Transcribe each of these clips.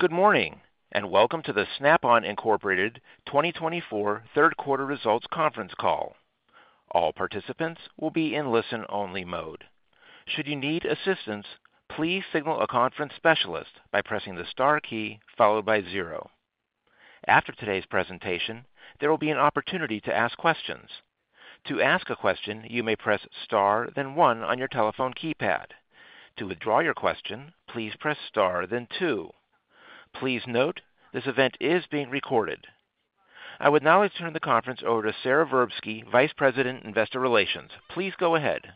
Good morning, and welcome to the Snap-on Incorporated 2024 3rd quarter results conference call. All participants will be in listen-only mode. Should you need assistance, please signal a conference specialist by pressing the star key followed by zero. After today's presentation, there will be an opportunity to ask questions. To ask a question, you may press star, then one on your telephone keypad. To withdraw your question, please press star, then two. Please note, this event is being recorded. I would now like to turn the conference over to Sara Verbsky, Vice President, Investor Relations. Please go ahead.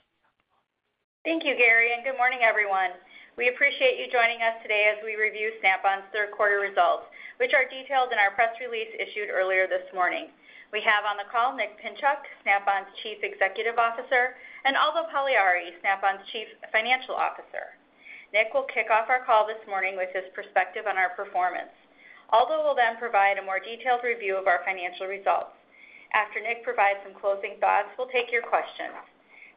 Thank you, Gary, and good morning, everyone. We appreciate you joining us today as we review Snap-on's 3rd quarter results, which are detailed in our press release issued earlier this morning. We have on the call Nick Pinchuk, Snap-on's Chief Executive Officer, and Aldo Pagliari, Snap-on's Chief Financial Officer. Nick will kick off our call this morning with his perspective on our performance. Aldo will then provide a more detailed review of our financial results. After Nick provides some closing thoughts, we'll take your questions.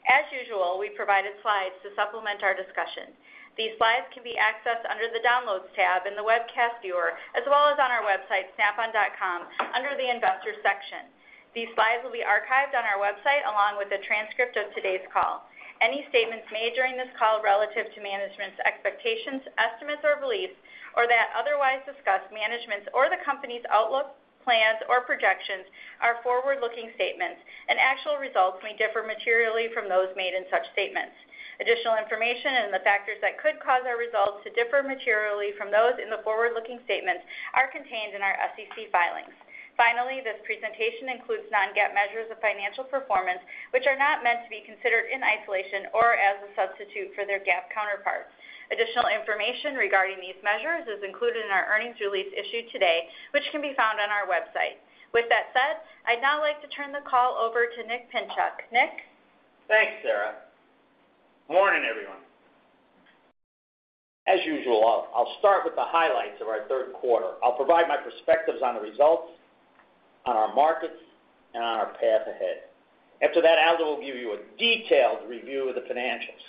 As usual, we provided slides to supplement our discussion. These slides can be accessed under the Downloads tab in the webcast viewer, as well as on our website, snapon.com, under the Investors section. These slides will be archived on our website, along with a transcript of today's call. Any statements made during this call relative to management's expectations, estimates, or beliefs, or that otherwise discuss management's or the company's outlook, plans, or projections are forward-looking statements, and actual results may differ materially from those made in such statements. Additional information and the factors that could cause our results to differ materially from those in the forward-looking statements are contained in our SEC filings. Finally, this presentation includes non-GAAP measures of financial performance, which are not meant to be considered in isolation or as a substitute for their GAAP counterparts. Additional information regarding these measures is included in our earnings release issued today, which can be found on our website. With that said, I'd now like to turn the call over to Nick Pinchuk. Nick? Thanks, Sara. Morning, everyone. As usual, I'll start with the highlights of our 3rd quarter. I'll provide my perspectives on the results, on our markets, and on our path ahead. After that, Aldo will give you a detailed review of the financials.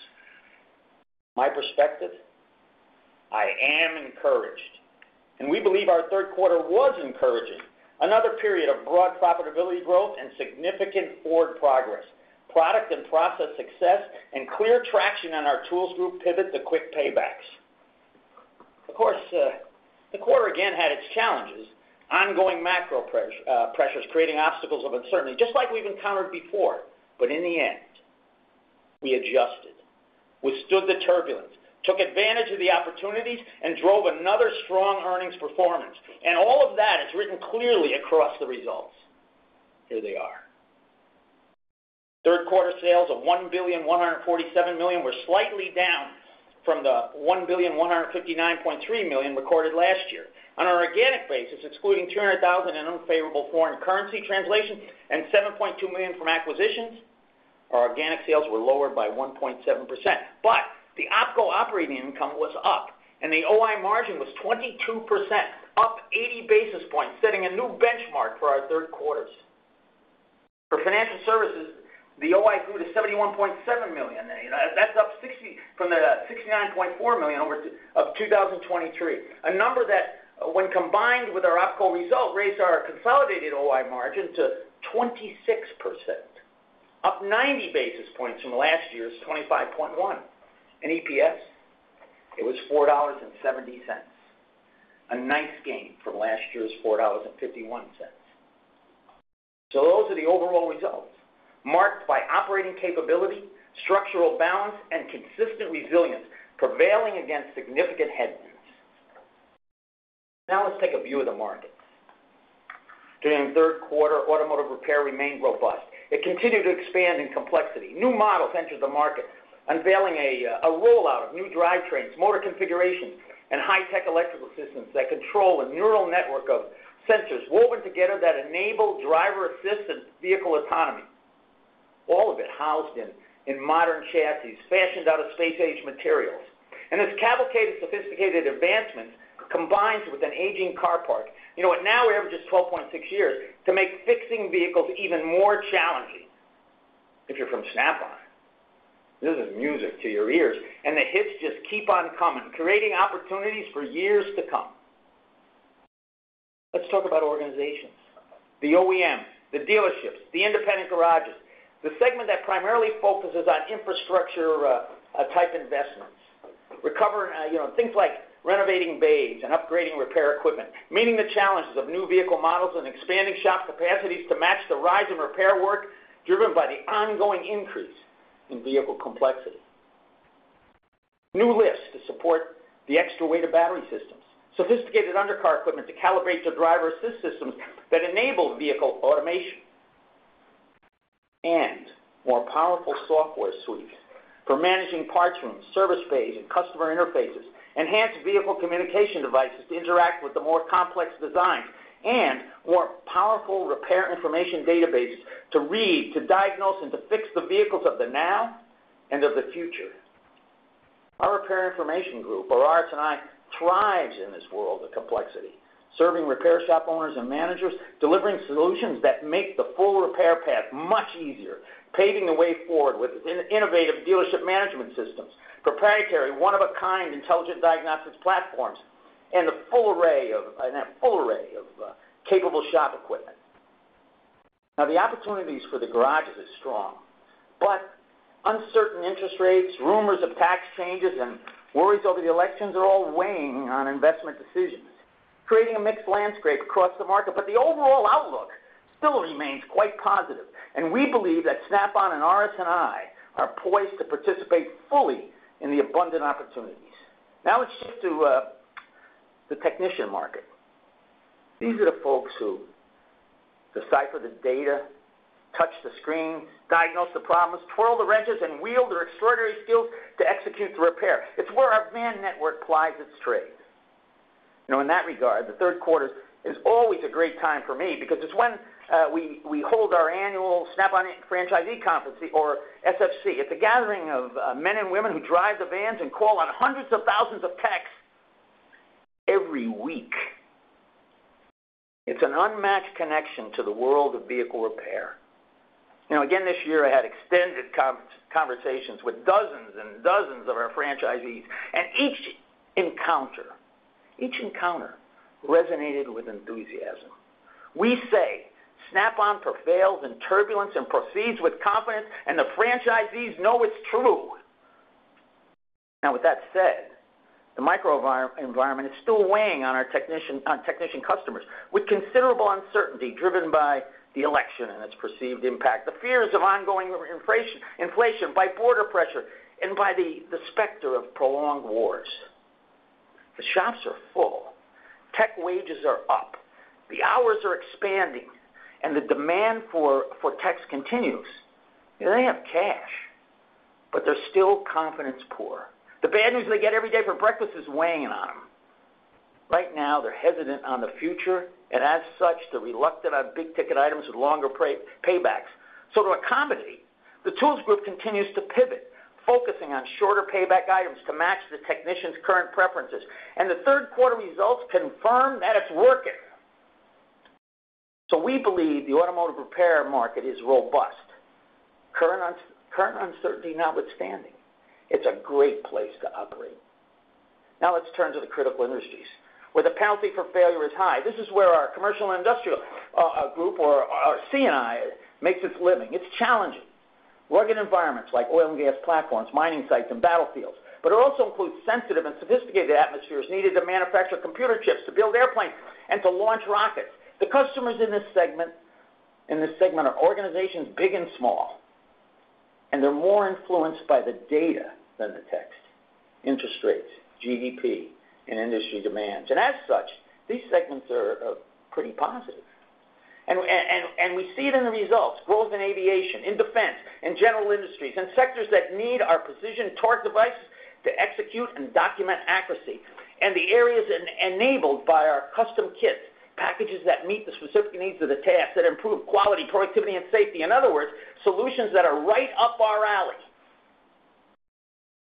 My perspective, I am encouraged, and we believe our 3rd quarter was encouraging. Another period of broad profitability growth and significant forward progress, product and process success, and clear traction on our Tools Group pivot to quick paybacks. Of course, the quarter again had its challenges, ongoing macro pressures, creating obstacles of uncertainty, just like we've encountered before. But in the end, we adjusted, withstood the turbulence, took advantage of the opportunities, and drove another strong earnings performance. And all of that is written clearly across the results. Here they are. 3rd quarter sales of $1.147 billion were slightly down from the $1.159 billion recorded last year. On an organic basis, excluding $200,000 in unfavorable foreign currency translation and $7.2 million from acquisitions, our organic sales were lowered by 1.7%, but the OpCo operating income was up, and the OI margin was 22%, up 80 basis points, setting a new benchmark for our 3rd quarters. For Financial Services, the OI grew to $71.7 million. That's up $2.3 million from the $69.4 million of 2023. A number that, when combined with our OpCo result, raised our consolidated OI margin to 26%, up 90 basis points from last year's 25.1%. EPS, it was $4.70, a nice gain from last year's $4.51. So those are the overall results, marked by operating capability, structural balance, and consistent resilience, prevailing against significant headwinds. Now let's take a view of the markets. During the 3rd quarter, automotive repair remained robust. It continued to expand in complexity. New models entered the market, unveiling a rollout of new drivetrains, motor configurations, and high-tech electrical systems that control a neural network of sensors woven together that enable driver-assistant vehicle autonomy, all of it housed in modern chassis, fashioned out of space-age materials. And this cavalcade of sophisticated advancements combines with an aging car park, you know, the average is just 12.6 years, to make fixing vehicles even more challenging. If you're from Snap-on, this is music to your ears, and the hits just keep on coming, creating opportunities for years to come. Let's talk about organizations. The OEM, the dealerships, the independent garages, the segment that primarily focuses on infrastructure, type investments. Recover, you know, things like renovating bays and upgrading repair equipment, meeting the challenges of new vehicle models and expanding shop capacities to match the rise in repair work, driven by the ongoing increase in vehicle complexity. New lifts to support the extra weight of battery systems, sophisticated undercar equipment to calibrate the driver assist systems that enable vehicle automation, and more powerful software suites for managing parts rooms, service bays, and customer interfaces, enhanced vehicle communication devices to interact with the more complex designs, and more powerful repair information databases to read, to diagnose, and to fix the vehicles of the now and of the future. Our Repair Information Group, RI, thrives in this world of complexity... serving repair shop owners and managers, delivering solutions that make the full repair path much easier, paving the way forward with innovative dealership management systems, proprietary, one-of-a-kind, Intelligent Diagnostics platforms, and a full array of capable shop equipment. Now, the opportunities for the garages is strong, but uncertain interest rates, rumors of tax changes, and worries over the elections are all weighing on investment decisions, creating a mixed landscape across the market. But the overall outlook still remains quite positive, and we believe that Snap-on and RS&I are poised to participate fully in the abundant opportunities. Now, let's shift to the technician market. These are the folks who decipher the data, touch the screen, diagnose the problems, twirl the wrenches, and wield their extraordinary skills to execute the repair. It's where our van network plies its trade. Now, in that regard, the 3rd quarter is always a great time for me because it's when we hold our annual Snap-on Franchisee Conference, or SFC. It's a gathering of men and women who drive the vans and call on hundreds of thousands of techs every week. It's an unmatched connection to the world of vehicle repair. You know, again, this year, I had extended conversations with dozens and dozens of our franchisees, and each encounter, each encounter resonated with enthusiasm. We say Snap-on prevails in turbulence and proceeds with confidence, and the franchisees know it's true. Now, with that said, the micro environment is still weighing on our technician, on technician customers, with considerable uncertainty driven by the election and its perceived impact, the fears of ongoing inflation, inflation, by border pressure, and by the, the specter of prolonged wars. The shops are full, tech wages are up, the hours are expanding, and the demand for, for techs continues. They have cash, but they're still confidence poor. The bad news they get every day for breakfast is weighing on them. Right now, they're hesitant on the future, and as such, they're reluctant on big-ticket items with longer paybacks. So to accommodate, the Tools Group continues to pivot, focusing on shorter payback items to match the technicians' current preferences, and the 3rd quarter results confirm that it's working. So we believe the automotive repair market is robust. Current uncertainty notwithstanding, it's a great place to operate. Now, let's turn to the critical industries, where the penalty for failure is high. This is where our Commercial and Industrial Group or our C&I makes its living. It's challenging. Rugged environments like oil and gas platforms, mining sites, and battlefields, but it also includes sensitive and sophisticated atmospheres needed to manufacture computer chips, to build airplanes, and to launch rockets. The customers in this segment are organizations big and small, and they're more influenced by the data than the text, interest rates, GDP, and industry demands, and as such, these segments are pretty positive, and we see it in the results, growth in aviation, in defense, in general industries, and sectors that need our precision torque devices to execute and document accuracy. And the areas enabled by our custom kit packages that meet the specific needs of the task, that improve quality, productivity, and safety. In other words, solutions that are right up our alley.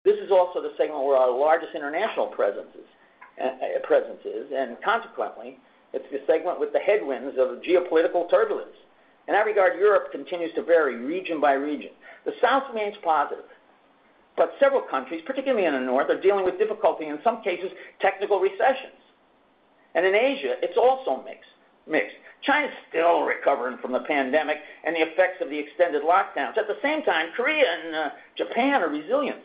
This is also the segment where our largest international presence is, and consequently, it's the segment with the headwinds of geopolitical turbulence. In that regard, Europe continues to vary region by region. The South remains positive, but several countries, particularly in the North, are dealing with difficulty, in some cases, technical recessions, and in Asia, it's also mixed. China's still recovering from the pandemic and the effects of the extended lockdowns. At the same time, Korea and Japan are resilient,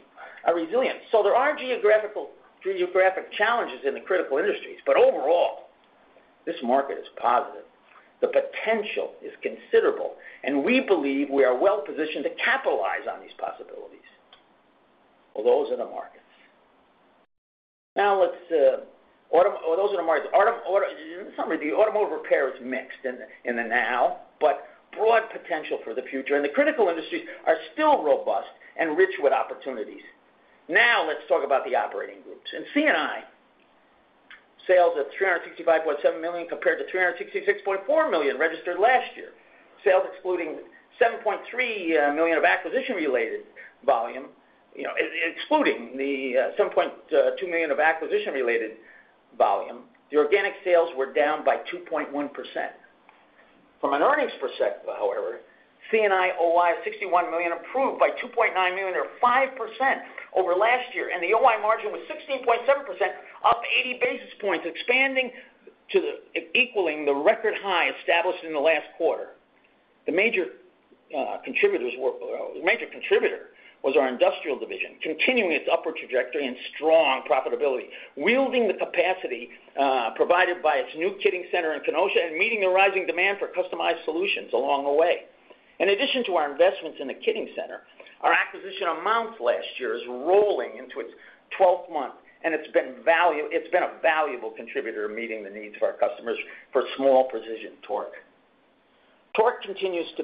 so there are geographic challenges in the critical industries, but overall, this market is positive. The potential is considerable, and we believe we are well-positioned to capitalize on these possibilities, well, those are the markets. Now, let's. Those are the markets. In summary, the automotive repair is mixed in the now, but broad potential for the future, and the critical industries are still robust and rich with opportunities. Now, let's talk about the operating groups. In C&I, sales of $365.7 million compared to $366.4 million registered last year. Sales excluding $7.3 million of acquisition-related volume. You know, excluding the $7.2 million of acquisition-related volume, the organic sales were down by 2.1%. From an earnings perspective, however, C&I OI, $61 million, improved by $2.9 million or 5% over last year, and the OI margin was 16.7%, up 80 basis points, equaling the record high established in the last quarter. The major contributors were the major contributor was our industrial division, continuing its upward trajectory and strong profitability, wielding the capacity provided by its new kitting center in Kenosha and meeting the rising demand for customized solutions along the way. In addition to our investments in the kitting center, our acquisition of Mountz last year is rolling into its twelfth month, and it's been a valuable contributor in meeting the needs of our customers for small precision torque. Torque continues to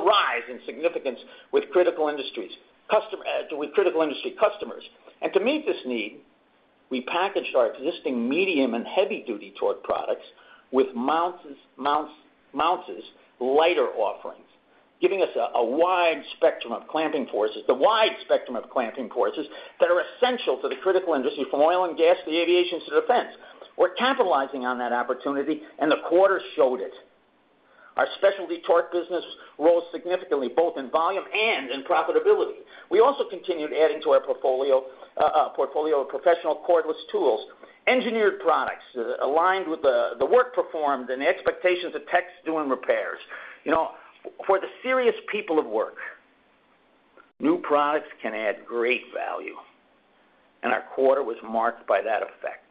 rise in significance with critical industry customers. And to meet this need, we packaged our existing medium and heavy-duty torque products with Mountz's lighter offerings, giving us a wide spectrum of clamping forces that are essential to the critical industry, from oil and gas, to aviation, to defense. We're capitalizing on that opportunity, and the quarter showed it. Our specialty torque business rose significantly, both in volume and in profitability. We also continued adding to our portfolio of professional cordless tools, engineered products, aligned with the work performed and the expectations of techs doing repairs. You know, for the serious people of work, new products can add great value, and our quarter was marked by that effect.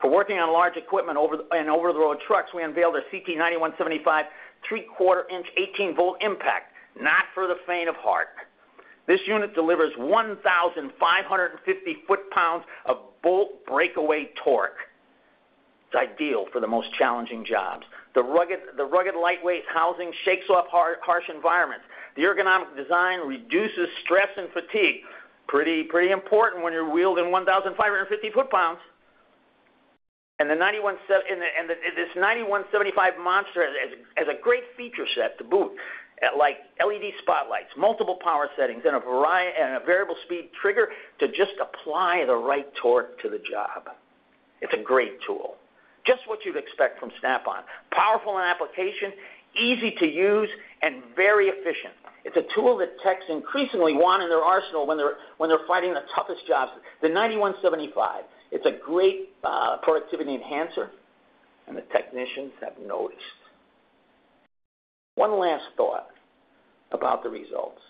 For working on large equipment and over-the-road trucks, we unveiled a CT9175 3/4-inch 18-volt impact, not for the faint of heart. This unit delivers 1,550 foot-pounds of bolt breakaway torque. It's ideal for the most challenging jobs. The rugged, lightweight housing shakes off harsh environments. The ergonomic design reduces stress and fatigue. Pretty important when you're wielding 1,550 foot-pounds. And the ninety-one seventy-five monster has a great feature set to boot, that like LED spotlights, multiple power settings, and a variable speed trigger to just apply the right torque to the job. It's a great tool. Just what you'd expect from Snap-on. Powerful in application, easy to use, and very efficient. It's a tool that techs increasingly want in their arsenal when they're fighting the toughest jobs. The ninety-one seventy-five, it's a great productivity enhancer, and the technicians have noticed. One last thought about the results.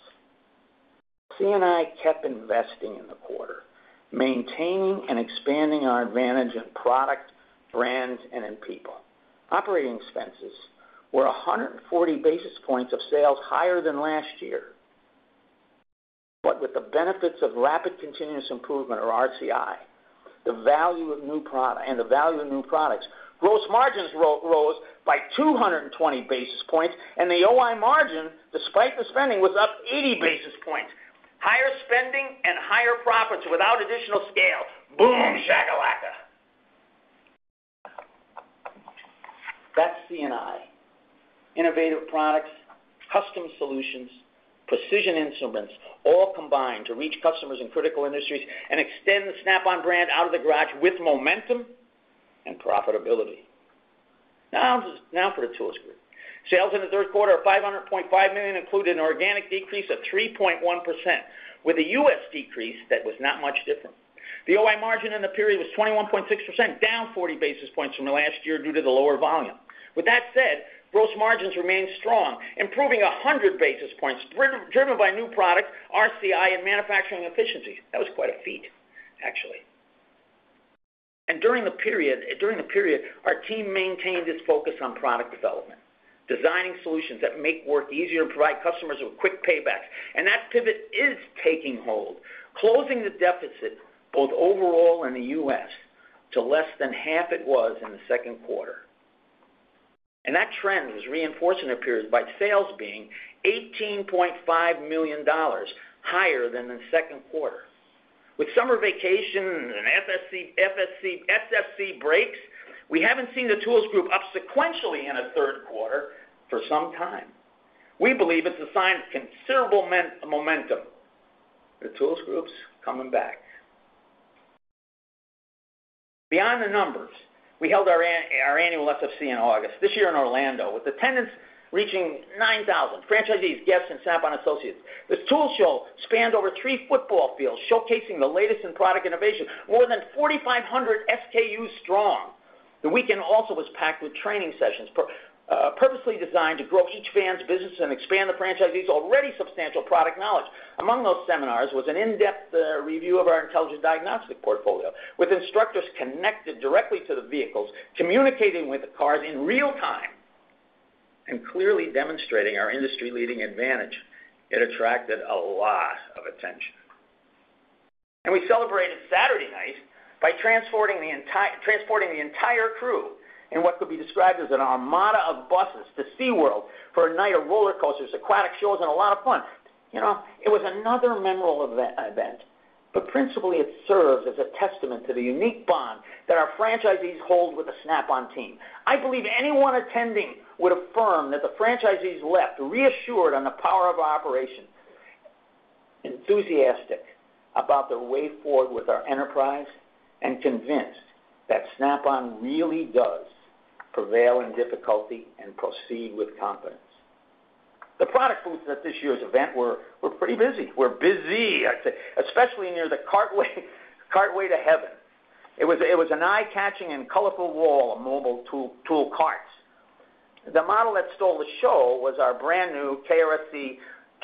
C&I kept investing in the quarter, maintaining and expanding our advantage in product, brands, and in people. Operating expenses were one hundred and forty basis points of sales higher than last year. But with the benefits of Rapid Continuous Improvement, or RCI, the value of new products, gross margins rose by 220 basis points, and the OI margin, despite the spending, was up 80 basis points. Higher spending and higher profits without additional scale. Boom, shakalaka! That's C&I. Innovative products, custom solutions, precision instruments, all combined to reach customers in critical industries and extend the Snap-on brand out of the garage with momentum and profitability. Now for the Tools Group. Sales in the 3rd quarter are $500.5 million, including an organic decrease of 3.1%, with a U.S. decrease that was not much different. The OI margin in the period was 21.6%, down 40 basis points from the last year due to the lower volume. With that said, gross margins remained strong, improving 100 basis points, driven by new product, RCI, and manufacturing efficiencies. That was quite a feat, actually. During the period, our team maintained its focus on product development, designing solutions that make work easier and provide customers with quick paybacks. That pivot is taking hold, closing the deficit, both overall and the U.S., to less than half it was in the 2nd quarter. That trend was reinforced in the period by sales being $18.5 million higher than the 2nd quarter. With summer vacations and SFC breaks, we haven't seen the Tools Group up sequentially in a 3rd quarter for some time. We believe it's a sign of considerable momentum. The Tools Group's coming back. Beyond the numbers, we held our annual SFC in August, this year in Orlando, with attendance reaching 9,000 franchisees, guests, and Snap-on associates. This tool show spanned over three football fields, showcasing the latest in product innovation, more than 4,500 SKUs strong. The weekend also was packed with training sessions, purposely designed to grow each fan's business and expand the franchisees' already substantial product knowledge. Among those seminars was an in-depth review of our intelligent diagnostic portfolio, with instructors connected directly to the vehicles, communicating with the cars in real time and clearly demonstrating our industry-leading advantage. It attracted a lot of attention. We celebrated Saturday night by transporting the entire crew in what could be described as an armada of buses to SeaWorld for a night of roller coasters, aquatic shows, and a lot of fun. You know, it was another memorable event, but principally, it serves as a testament to the unique bond that our franchisees hold with the Snap-on team. I believe anyone attending would affirm that the franchisees left reassured on the power of our operation, enthusiastic about the way forward with our enterprise, and convinced that Snap-on really does prevail in difficulty and proceed with confidence. The product booths at this year's event were pretty busy, I'd say, especially near the Cartway to Heaven. It was an eye-catching and colorful wall of mobile tool carts. The model that stole the show was our brand-new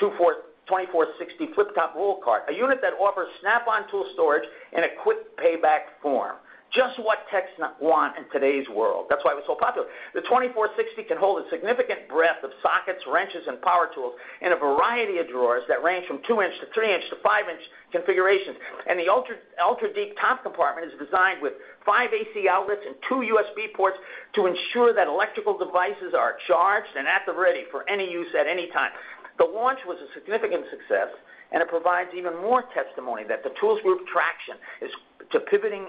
KRFC2460 flip top roll cart, a unit that offers Snap-on tool storage in a quick payback form. Just what techs want in today's world. That's why it was so popular. The twenty-four sixty can hold a significant breadth of sockets, wrenches, and power tools in a variety of drawers that range from two-inch to three-inch to five-inch configurations. The ultra-deep top compartment is designed with five AC outlets and two USB ports to ensure that electrical devices are charged and at the ready for any use at any time. The launch was a significant success, and it provides even more testimony that the Tools Group traction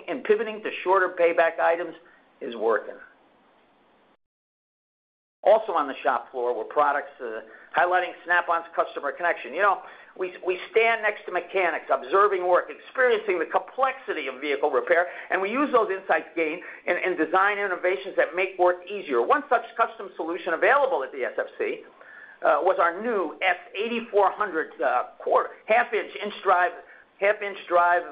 in pivoting to shorter payback items is working. Also on the shop floor were products highlighting Snap-on's customer connection. You know, we stand next to mechanics, observing work, experiencing the complexity of vehicle repair, and we use those insights gained and design innovations that make work easier. One such custom solution available at the SFC was our new F8400 half-inch drive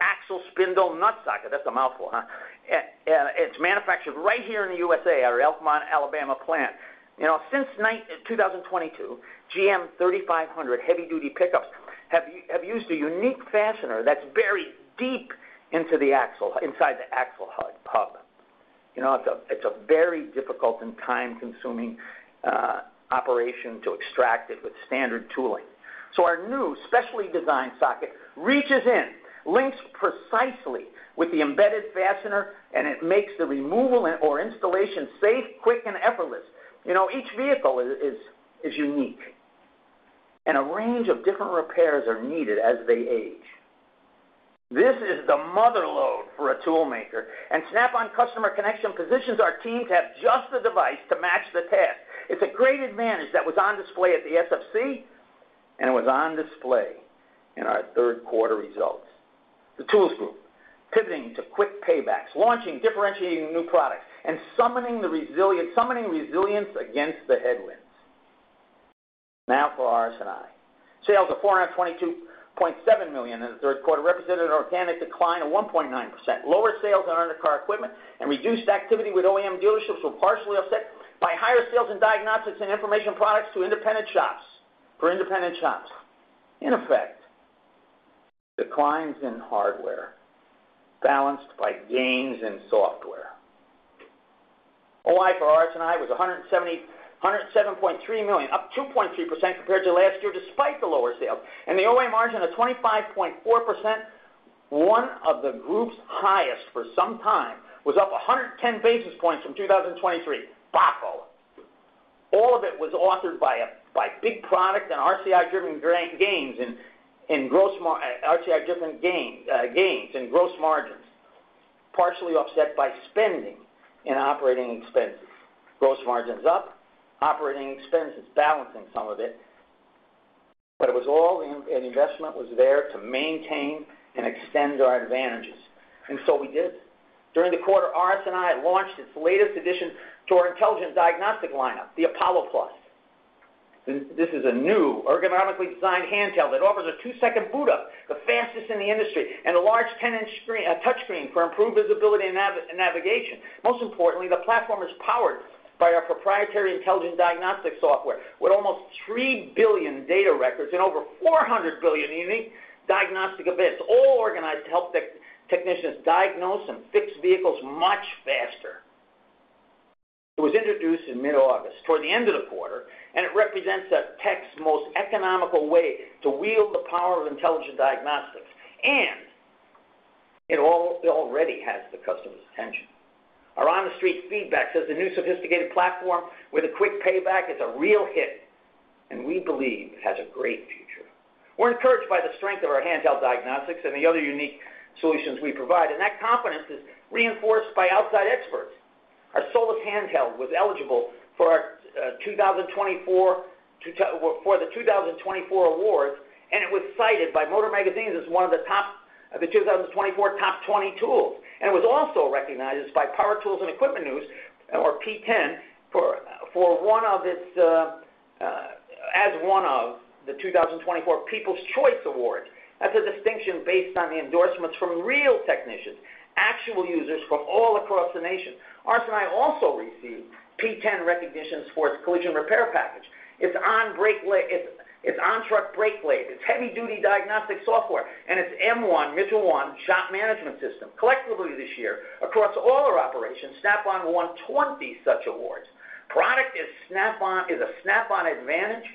axle spindle nut socket. That's a mouthful, huh? And it's manufactured right here in the USA, at our Elkmont, Alabama plant. You know, since 2022, GM 3500 heavy-duty pickups have used a unique fastener that's buried deep into the axle, inside the axle hub. You know, it's a very difficult and time-consuming operation to extract it with standard tooling. So our new specially designed socket reaches in, links precisely with the embedded fastener, and it makes the removal and/or installation safe, quick, and effortless. You know, each vehicle is unique, and a range of different repairs are needed as they age. This is the mother lode for a tool maker, and Snap-on Customer Connection positions our teams to have just the device to match the task. It's a great advantage that was on display at the SFC, and it was on display in our 3rd quarter results. The Tools Group, pivoting to quick paybacks, launching differentiating new products, and summoning the resilience against the headwinds. Now for RS&I. Sales of $422.7 million in the 3rd quarter represented an organic decline of 1.9%. Lower sales on undercar equipment and reduced activity with OEM dealerships were partially offset by higher sales in diagnostics and information products to independent shops. In effect, declines in hardware balanced by gains in software. OI for RS&I was $107.3 million, up 2.3% compared to last year, despite the lower sales. The OI margin of 25.4%, one of the group's highest for some time, was up 110 basis points from 2023. Bravo! All of it was authored by big product and RCI-driven gains in gross margins, partially offset by spending in operating expenses. Gross margins up, operating expenses balancing some of it, but it was all an investment to maintain and extend our advantages, and so we did. During the quarter, RS&I launched its latest addition to our intelligent diagnostic lineup, the APOLLO+. This is a new ergonomically designed handheld that offers a two-second boot up, the fastest in the industry, and a large ten-inch screen, touchscreen for improved visibility and navigation. Most importantly, the platform is powered by our proprietary intelligent diagnostic software, with almost three billion data records and over four hundred billion, you hear me, diagnostic events, all organized to help technicians diagnose and fix vehicles much faster. It was introduced in mid-August, toward the end of the quarter, and it represents the tech's most economical way to wield the power of Intelligent Diagnostics, and it already has the customer's attention. Our on-the-street feedback says the new sophisticated platform with a quick payback is a real hit, and we believe it has a great future. We're encouraged by the strength of our handheld diagnostics and the other unique solutions we provide, and that confidence is reinforced by outside experts. Our SOLUS handheld was eligible for the 2024 awards, and it was cited by Motor Magazine as one of the 2024 top 20 tools, and it was also recognized by Power Tools and Equipment News, or PTEN, for one of its as one of the 2024 People's Choice Awards. That's a distinction based on the endorsements from real technicians, actual users from all across the nation. RS&I also received PTEN recognitions for its collision repair package, its on Brake Lathe, its on-truck Brake Lathe, its heavy-duty diagnostic software, and its M1, Mitchell 1 shop management system. Collectively, this year, across all our operations, Snap-on won 20 such awards. Product is Snap-on, is a Snap-on advantage,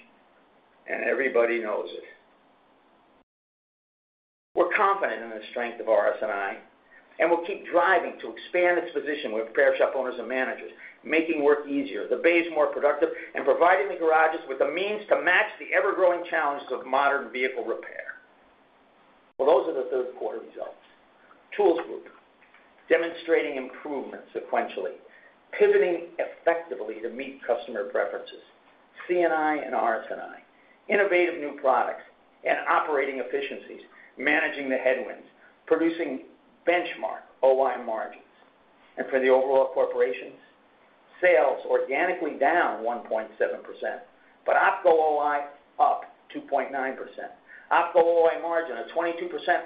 and everybody knows it. We're confident in the strength of RS&I, and we'll keep driving to expand its position with repair shop owners and managers, making work easier, the bays more productive, and providing the garages with the means to match the ever-growing challenges of modern vehicle repair. Those are the 3rd quarter results. Tools Group, demonstrating improvement sequentially, pivoting effectively to meet customer preferences. C&I and RS&I, innovative new products and operating efficiencies, managing the headwinds, producing benchmark OI margins. For the overall corporation, sales organically down 1.7%, but OpCo OI up 2.9%. OpCo OI margin of 22%,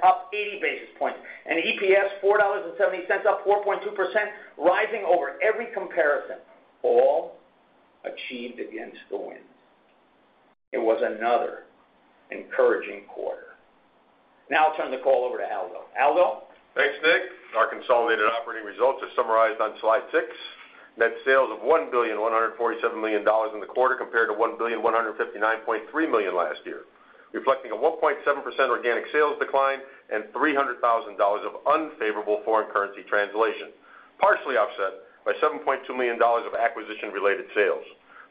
up 80 basis points, and EPS $4.70, up 4.2%, rising over every comparison, all achieved against the wind. It was another encouraging quarter. Now I'll turn the call over to Aldo. Aldo? Thanks, Nick. Our consolidated operating results are summarized on slide six. Net sales of $1.147 billion in the quarter, compared to $1.159 billion last year, reflecting a 1.7% organic sales decline and $300,000 of unfavorable foreign currency translation, partially offset by $7.2 million of acquisition-related sales.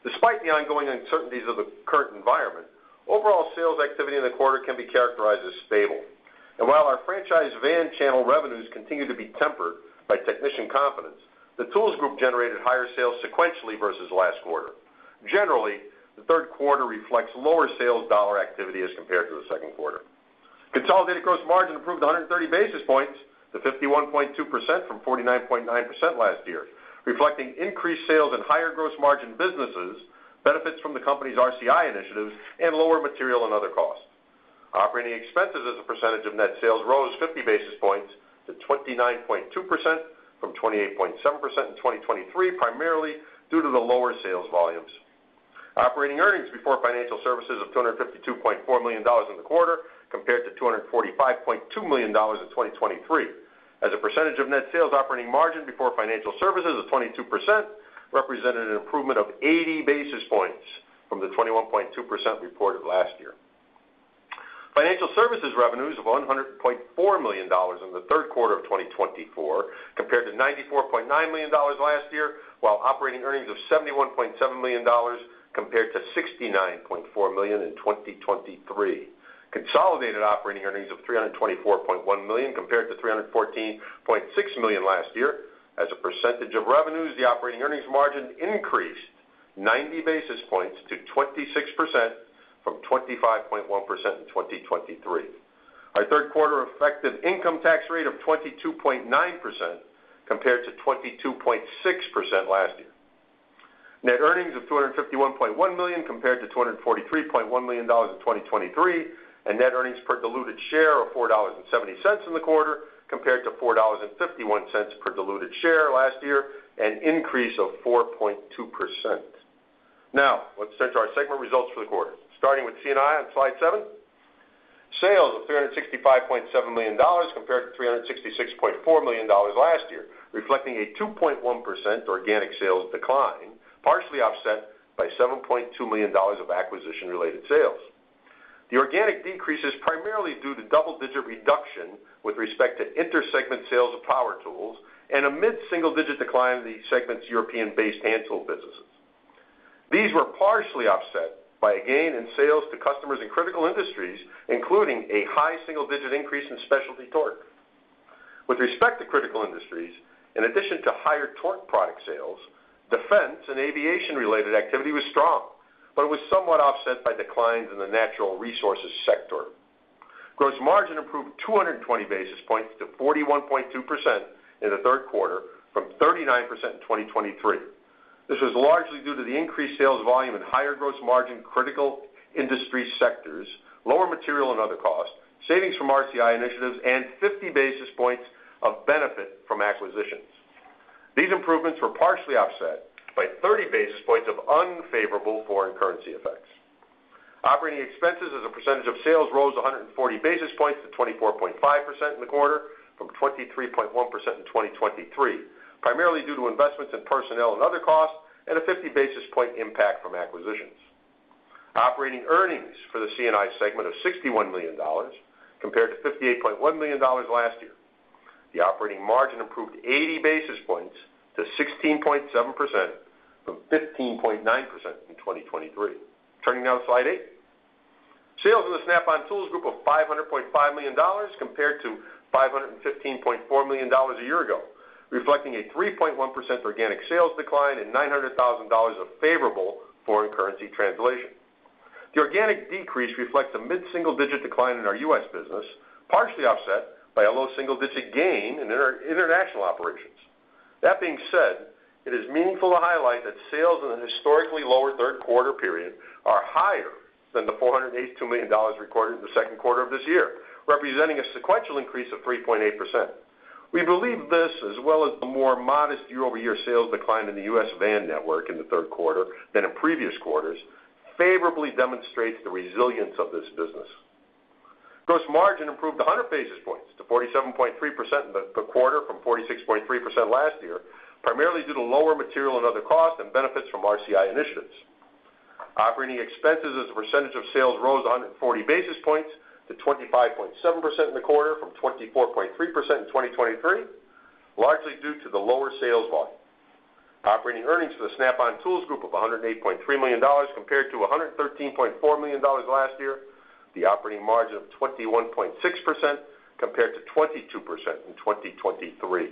Despite the ongoing uncertainties of the current environment, overall sales activity in the quarter can be characterized as stable. And while our franchise van channel revenues continue to be tempered by technician confidence, the Tools Group generated higher sales sequentially versus last quarter. Generally, the 3rd quarter reflects lower sales dollar activity as compared to the 2nd quarter. Consolidated gross margin improved 130 basis points to 51.2% from 49.9% last year, reflecting increased sales and higher gross margin businesses, benefits from the company's RCI initiatives, and lower material and other costs. Operating expenses as a percentage of net sales rose 50 basis points to 29.2% from 28.7% in 2023, primarily due to the lower sales volumes. Operating earnings before Financial Services of $252.4 million in the quarter, compared to $245.2 million in 2023. As a percentage of net sales, operating margin before Financial Services of 22% represented an improvement of 80 basis points from the 21.2% reported last year. Financial services revenues of $100.4 million in the 3rd quarter of 2024, compared to $94.9 million last year, while operating earnings of $71.7 million compared to $69.4 million in 2023. Consolidated operating earnings of $324.1 million, compared to $314.6 million last year. As a percentage of revenues, the operating earnings margin increased 90 basis points to 26% from 25.1% in 2023. Our 3rd quarter effective income tax rate of 22.9% compared to 22.6% last year. Net earnings of $251.1 million compared to $243.1 million in 2023, and net earnings per diluted share of $4.70 in the quarter, compared to $4.51 per diluted share last year, an increase of 4.2%. Now, let's turn to our segment results for the quarter. Starting with C&I on Slide 7, sales of $365.7 million compared to $366.4 million last year, reflecting a 2.1% organic sales decline, partially offset by $7.2 million of acquisition-related sales. The organic decrease is primarily due to double-digit reduction with respect to intersegment sales of power tools and a mid-single-digit decline in the segment's European-based hand tool businesses. These were partially offset by a gain in sales to customers in critical industries, including a high single-digit increase in specialty torque. With respect to critical industries, in addition to higher torque product sales, defense and aviation-related activity was strong, but it was somewhat offset by declines in the natural resources sector. Gross margin improved 220 basis points to 41.2% in the 3rd quarter from 39% in 2023. This was largely due to the increased sales volume and higher gross margin critical industry sectors, lower material and other costs, savings from RCI initiatives, and 50 basis points of benefit from acquisitions. These improvements were partially offset by 30 basis points of unfavorable foreign currency effects. Operating expenses as a percentage of sales rose 140 basis points to 24.5% in the quarter from 23.1% in 2023, primarily due to investments in personnel and other costs and a 50 basis point impact from acquisitions. Operating earnings for the C&I segment of $61 million compared to $58.1 million last year. The operating margin improved 80 basis points to 16.7% from 15.9% in 2023. Turning now to Slide eight. Sales in the Snap-on Tools Group of $500.5 million compared to $515.4 million a year ago, reflecting a 3.1% organic sales decline and $900,000 of favorable foreign currency translation. The organic decrease reflects a mid-single-digit decline in our U.S. business, partially offset by a low single-digit gain in international operations. That being said, it is meaningful to highlight that sales in the historically lower 3rd quarter period are higher than the $482 million recorded in the 2nd quarter of this year, representing a sequential increase of 3.8%. We believe this, as well as the more modest year-over-year sales decline in the U.S. van network in the 3rd quarter than in previous quarters, favorably demonstrates the resilience of this business. Gross margin improved 100 basis points to 47.3% in the 3rd quarter from 46.3% last year, primarily due to lower material and other costs and benefits from RCI initiatives. Operating expenses as a percentage of sales rose 140 basis points to 25.7% in the quarter from 24.3% in 2023, largely due to the lower sales volume. Operating earnings for the Snap-on Tools Group of $108.3 million compared to $113.4 million last year, the operating margin of 21.6% compared to 22% in 2023.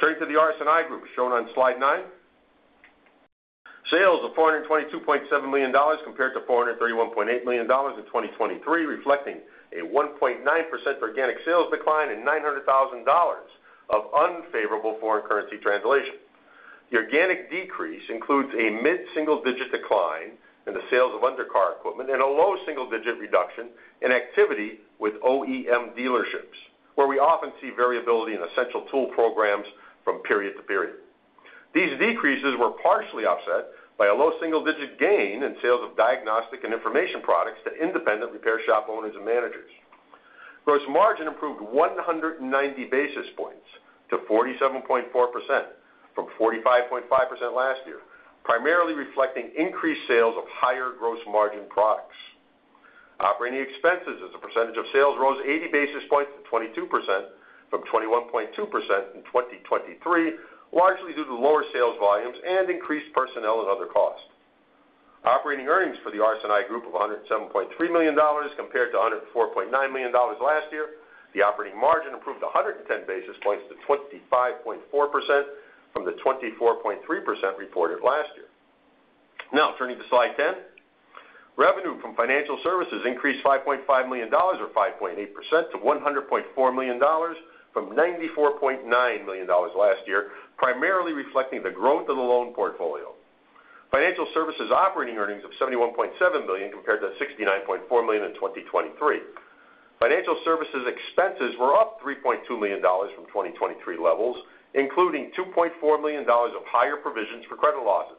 Turning to the RS&I Group, shown on slide 9. Sales of $422.7 million compared to $431.8 million in 2023, reflecting a 1.9% organic sales decline and $900,000 of unfavorable foreign currency translation. The organic decrease includes a mid-single-digit decline in the sales of undercar equipment and a low double single-digit reduction in activity with OEM dealerships, where we often see variability in essential tool programs from period to period. These decreases were partially offset by a low single-digit gain in sales of diagnostic and information products to independent repair shop owners and managers. Gross margin improved 190 basis points to 47.4% from 45.5% last year, primarily reflecting increased sales of higher gross margin products. Operating expenses as a percentage of sales rose 80 basis points to 22% from 21.2% in 2023, largely due to lower sales volumes and increased personnel and other costs. Operating earnings for the RS&I Group of $107.3 million compared to $104.9 million last year. The operating margin improved 110 basis points to 25.4% from the 24.3% reported last year. Now, turning to slide 10. Revenue from Financial Services increased $5.5 million, or 5.8% to $100.4 million from $94.9 million last year, primarily reflecting the growth of the loan portfolio. Financial services operating earnings of $71.7 million, compared to $69.4 million in 2023. Financial services expenses were up $3.2 million from 2023 levels, including $2.4 million of higher provisions for credit losses.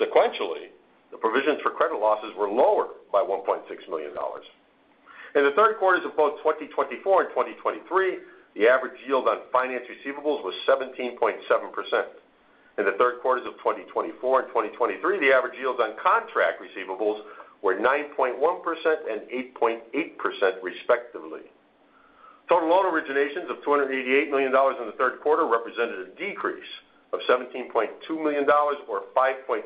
Sequentially, the provisions for credit losses were lower by $1.6 million. In the 3rd quarters of both 2024 and 2023, the average yield on finance receivables was 17.7%. In the 3rd quarters of 2024 and 2023, the average yields on contract receivables were 9.1% and 8.8%, respectively. Total loan originations of $288 million in the 3rd quarter represented a decrease of $17.2 million or 5.6%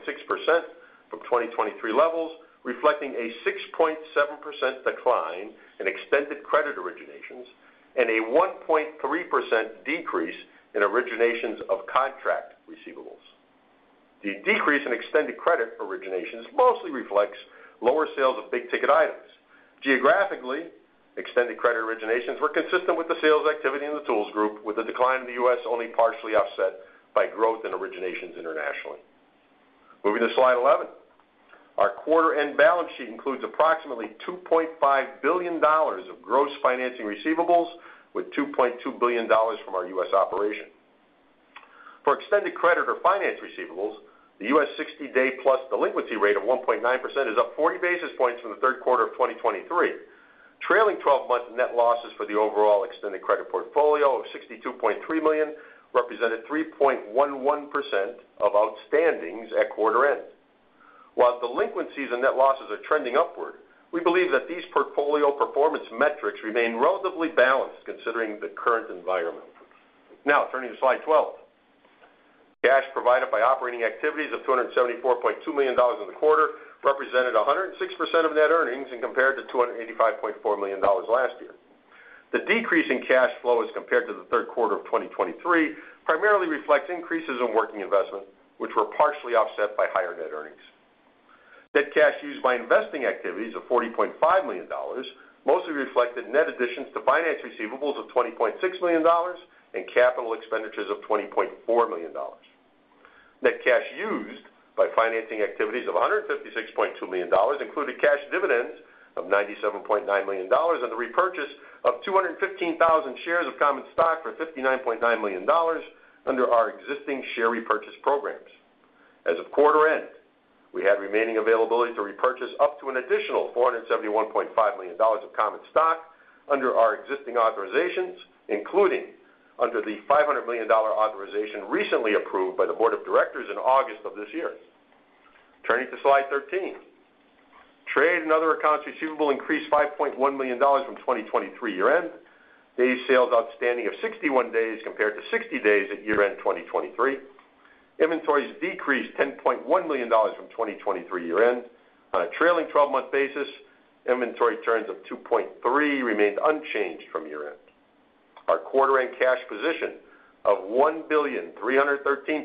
from 2023 levels, reflecting a 6.7% decline in extended credit originations and a 1.3% decrease in originations of contract receivables. The decrease in extended credit originations mostly reflects lower sales of big-ticket items. Geographically, extended credit originations were consistent with the sales activity in the Tools Group, with a decline in the U.S. only partially offset by growth in originations internationally. Moving to slide 11. Our quarter end balance sheet includes approximately $2.5 billion of gross financing receivables, with $2.2 billion from our U.S. operation. For extended credit or finance receivables, the U.S. sixty-day-plus delinquency rate of 1.9% is up forty basis points from the 3rd quarter of 2023. Trailing 12 months net losses for the overall extended credit portfolio of $62.3 million represented 3.11% of outstandings at quarter end. While delinquencies and net losses are trending upward, we believe that these portfolio performance metrics remain relatively balanced considering the current environment. Now, turning to slide 12. Cash provided by operating activities of $274.2 million in the quarter represented 106% of net earnings as compared to $285.4 million last year. The decrease in cash flow as compared to the 3rd quarter of 2023 primarily reflects increases in working capital, which were partially offset by higher net earnings. Net cash used by investing activities of $40.5 million mostly reflected net additions to finance receivables of $20.6 million and capital expenditures of $20.4 million. Net cash used by financing activities of $156.2 million included cash dividends of $97.9 million and the repurchase of 215,000 shares of common stock for $59.9 million under our existing share repurchase programs. As of quarter end, we had remaining availability to repurchase up to an additional $471.5 million of common stock under our existing authorizations, including under the $500 million authorization recently approved by the board of directors in August of this year. Turning to slide 13. Trade and other accounts receivable increased $5.1 million from 2023 year-end. Day Sales Outstanding of 61 days, compared to 60 days at year-end 2023. Inventories decreased $10.1 million from 2023 year-end. On a trailing twelve-month basis, inventory turns of 2.3 remained unchanged from year-end. Our quarter-end cash position of $1.313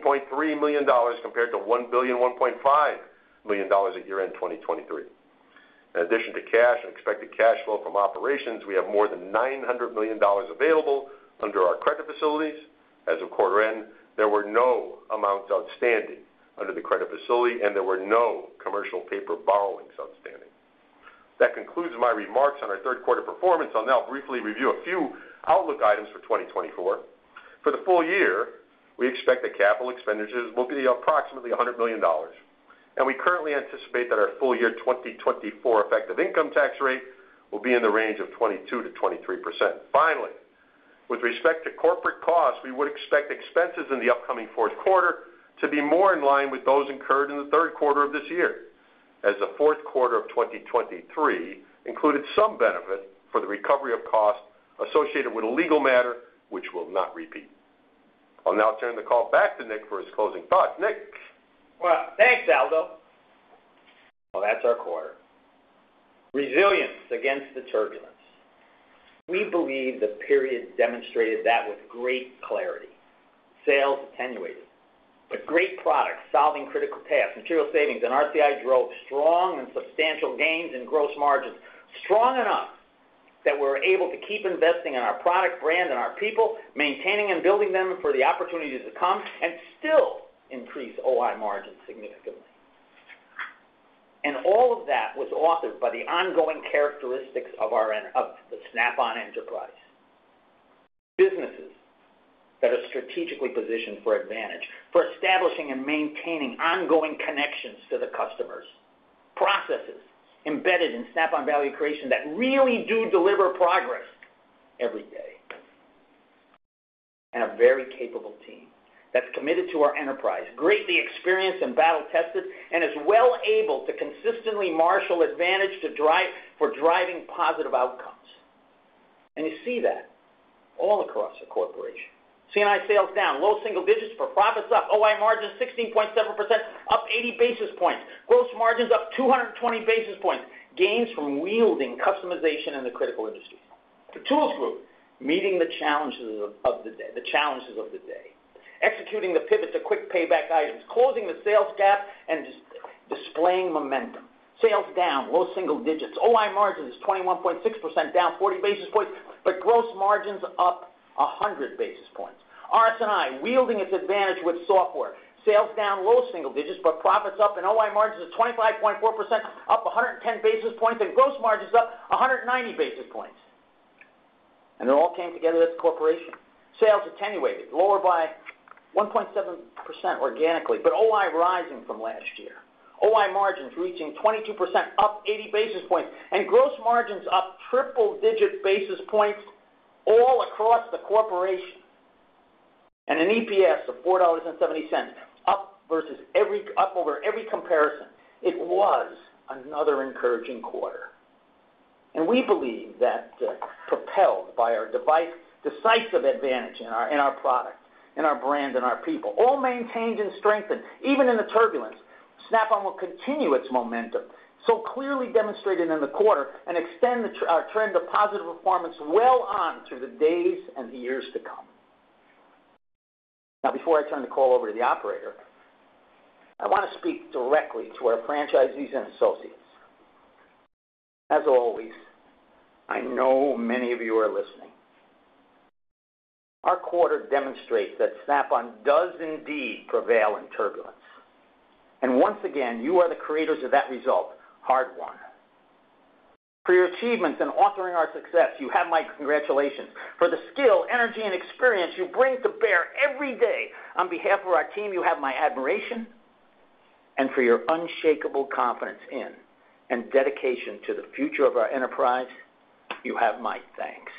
billion compared to $1.115 billion at year-end 2023.In addition to cash and expected cash flow from operations, we have more than $900 million available under our credit facilities. As of quarter end, there were no amounts outstanding under the credit facility, and there were no commercial paper borrowings outstanding. That concludes my remarks on our 3rd quarter performance. I'll now briefly review a few outlook items for 2024. For the full year, we expect that capital expenditures will be approximately $100 million, and we currently anticipate that our full year 2024 effective income tax rate will be in the range of 22%-23%. Finally, with respect to corporate costs, we would expect expenses in the upcoming fourth quarter to be more in line with those incurred in the 3rd quarter of this year, as the fourth quarter of twenty twenty-three included some benefit for the recovery of costs associated with a legal matter which will not repeat. I'll now turn the call back to Nick for his closing thoughts. Nick? Thanks, Aldo. That's our quarter. Resilience against the turbulence. We believe the period demonstrated that with great clarity. Sales attenuated, but great products, solving critical tasks, material savings and RCI drove strong and substantial gains in gross margins. Strong enough that we're able to keep investing in our product brand and our people, maintaining and building them for the opportunities to come and still increase OI margins significantly, and all of that was authored by the ongoing characteristics of our end of the Snap-on enterprise. Businesses that are strategically positioned for advantage, for establishing and maintaining ongoing connections to the customers, processes embedded in Snap-on value creation that really do deliver progress every day, and a very capable team that's committed to our enterprise, greatly experienced and battle-tested, and is well able to consistently marshal advantage to drive for driving positive outcomes. You see that all across the corporation. C&I sales down low single digits, profits up, OI margin 16.7%, up 80 basis points. Gross margins up 220 basis points, gains from yielding customization in the critical industry. The Tools Group, meeting the challenges of the day, executing the pivots of quick payback items, closing the sales gap, and displaying momentum. Sales down low single digits. OI margin is 21.6%, down 40 basis points, but gross margins up 100 basis points. RS&I, yielding its advantage with software. Sales down low single digits, but profits up, and OI margins of 25.4%, up 110 basis points, and gross margins up 190 basis points. It all came together as a corporation. Sales attenuated, lower by 1.7% organically, but OI rising from last year. OI margins reaching 22%, up 80 basis points, and gross margins up triple-digit basis points all across the corporation. And an EPS of $4.70, up over every comparison. It was another encouraging quarter, and we believe that, propelled by our decisive advantage in our product, in our brand, and our people, all maintained and strengthened. Even in the turbulence, Snap-on will continue its momentum, so clearly demonstrated in the quarter, and extend our trend of positive performance well on through the days and the years to come. Now, before I turn the call over to the operator, I wanna speak directly to our franchisees and associates. As always, I know many of you are listening. Our quarter demonstrates that Snap-on does indeed prevail in turbulence, and once again, you are the creators of that result, hard won. For your achievements in authoring our success, you have my congratulations. For the skill, energy, and experience you bring to bear every day, on behalf of our team, you have my admiration, and for your unshakable confidence in and dedication to the future of our enterprise, you have my thanks.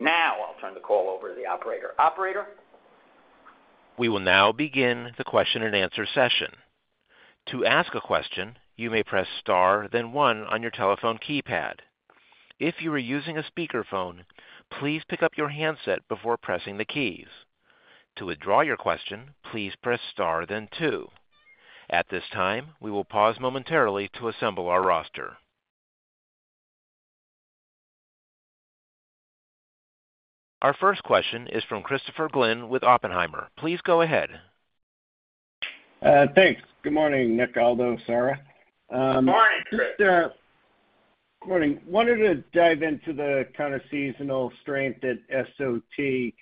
Now, I'll turn the call over to the operator. Operator? We will now begin the Question-and-Answer session. To ask a question, you may press star, then one on your telephone keypad. If you are using a speakerphone, please pick up your handset before pressing the keys. To withdraw your question, please press star then two. At this time, we will pause momentarily to assemble our roster. Our first question is from Christopher Glynn with Oppenheimer. Please go ahead. Thanks. Good morning, Nick, Aldo, Sara. Good morning, Chris. Good morning. Wanted to dive into the kind of seasonal strength at SOT.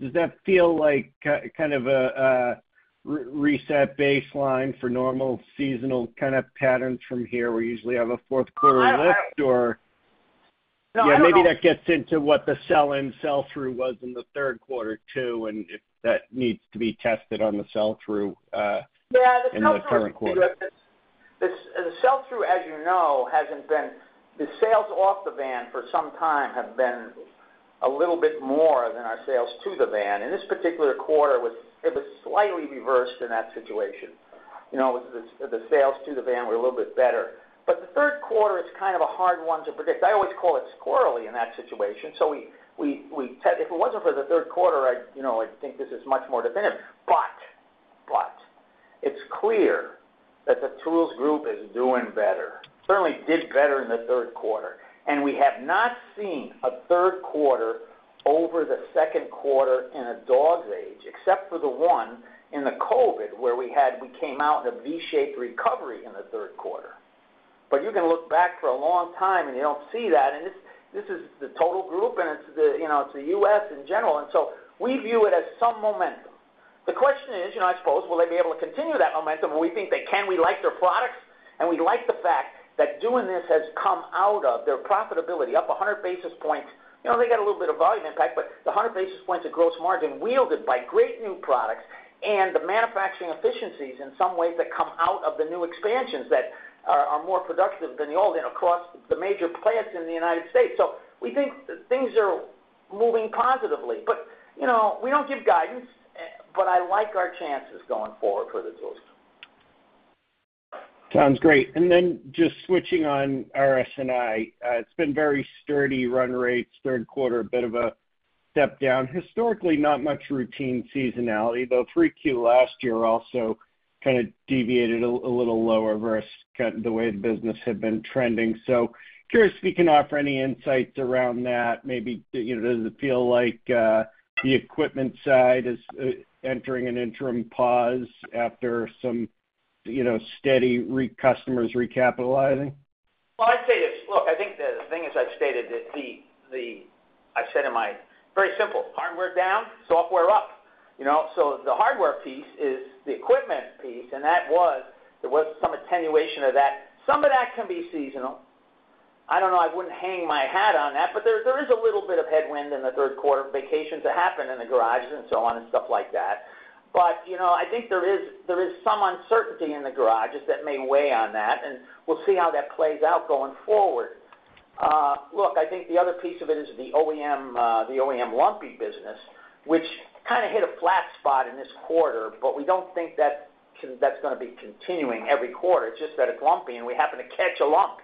Does that feel like kind of a reset baseline for normal seasonal kind of patterns from here, where you usually have a fourth quarter lift? Or- No, I don't know. Yeah, maybe that gets into what the sell-in, sell-through was in the 3rd quarter, too, and if that needs to be tested on the sell-through. Yeah, the sell-through- In the current quarter. The sell-through, as you know, hasn't been. The sales off the van for some time have been a little bit more than our sales to the van. In this particular quarter, it was slightly reversed in that situation. You know, the sales to the van were a little bit better. But the 3rd quarter is kind of a hard one to predict. I always call it squirrely in that situation, so if it wasn't for the 3rd quarter, I'd, you know, I'd think this is much more definitive. But it's clear that the Tools Group is doing better, certainly did better in the 3rd quarter. And we have not seen a 3rd quarter over the 2nd quarter in a dog's age, except for the one in the COVID, where we came out in a V-shaped recovery in the 3rd quarter. But you can look back for a long time, and you don't see that, and this, this is the total group, and it's the, you know, it's the U.S. in general, and so we view it as some momentum. The question is, you know, I suppose, will they be able to continue that momentum? And we think they can. We like their products, and we like the fact that doing this has come out of their profitability, up 100 basis points. You know, they got a little bit of volume impact, but the hundred basis points of gross margin wielded by great new products and the manufacturing efficiencies in some ways that come out of the new expansions that are more productive than the old and across the major plants in the United States. So we think things are moving positively, but, you know, we don't give guidance, but I like our chances going forward for the tools. Sounds great. And then just switching on RS&I, it's been very steady run rates, 3rd quarter, a bit of a step down. Historically, not much routine seasonality, though 3Q last year also kind of deviated a little lower versus kind of the way the business had been trending. So curious if you can offer any insights around that. Maybe, you know, does it feel like the equipment side is entering an interim pause after some, you know, steady recapitalizing customers? Well, I'd say this. Look, I think the thing is, I've stated that the-- I've said in my very simple, hardware down, software up, you know? So the hardware piece is the equipment piece, and that was, there was some attenuation of that. Some of that can be seasonal. I don't know, I wouldn't hang my hat on that, but there is a little bit of headwind in the 3rd quarter, vacations that happen in the garages and so on and stuff like that. But, you know, I think there is some uncertainty in the garages that may weigh on that, and we'll see how that plays out going forward. Look, I think the other piece of it is the OEM. The OEM lumpy business, which kind of hit a flat spot in this quarter, but we don't think that's gonna be continuing every quarter. It's just that it's lumpy, and we happen to catch a lump,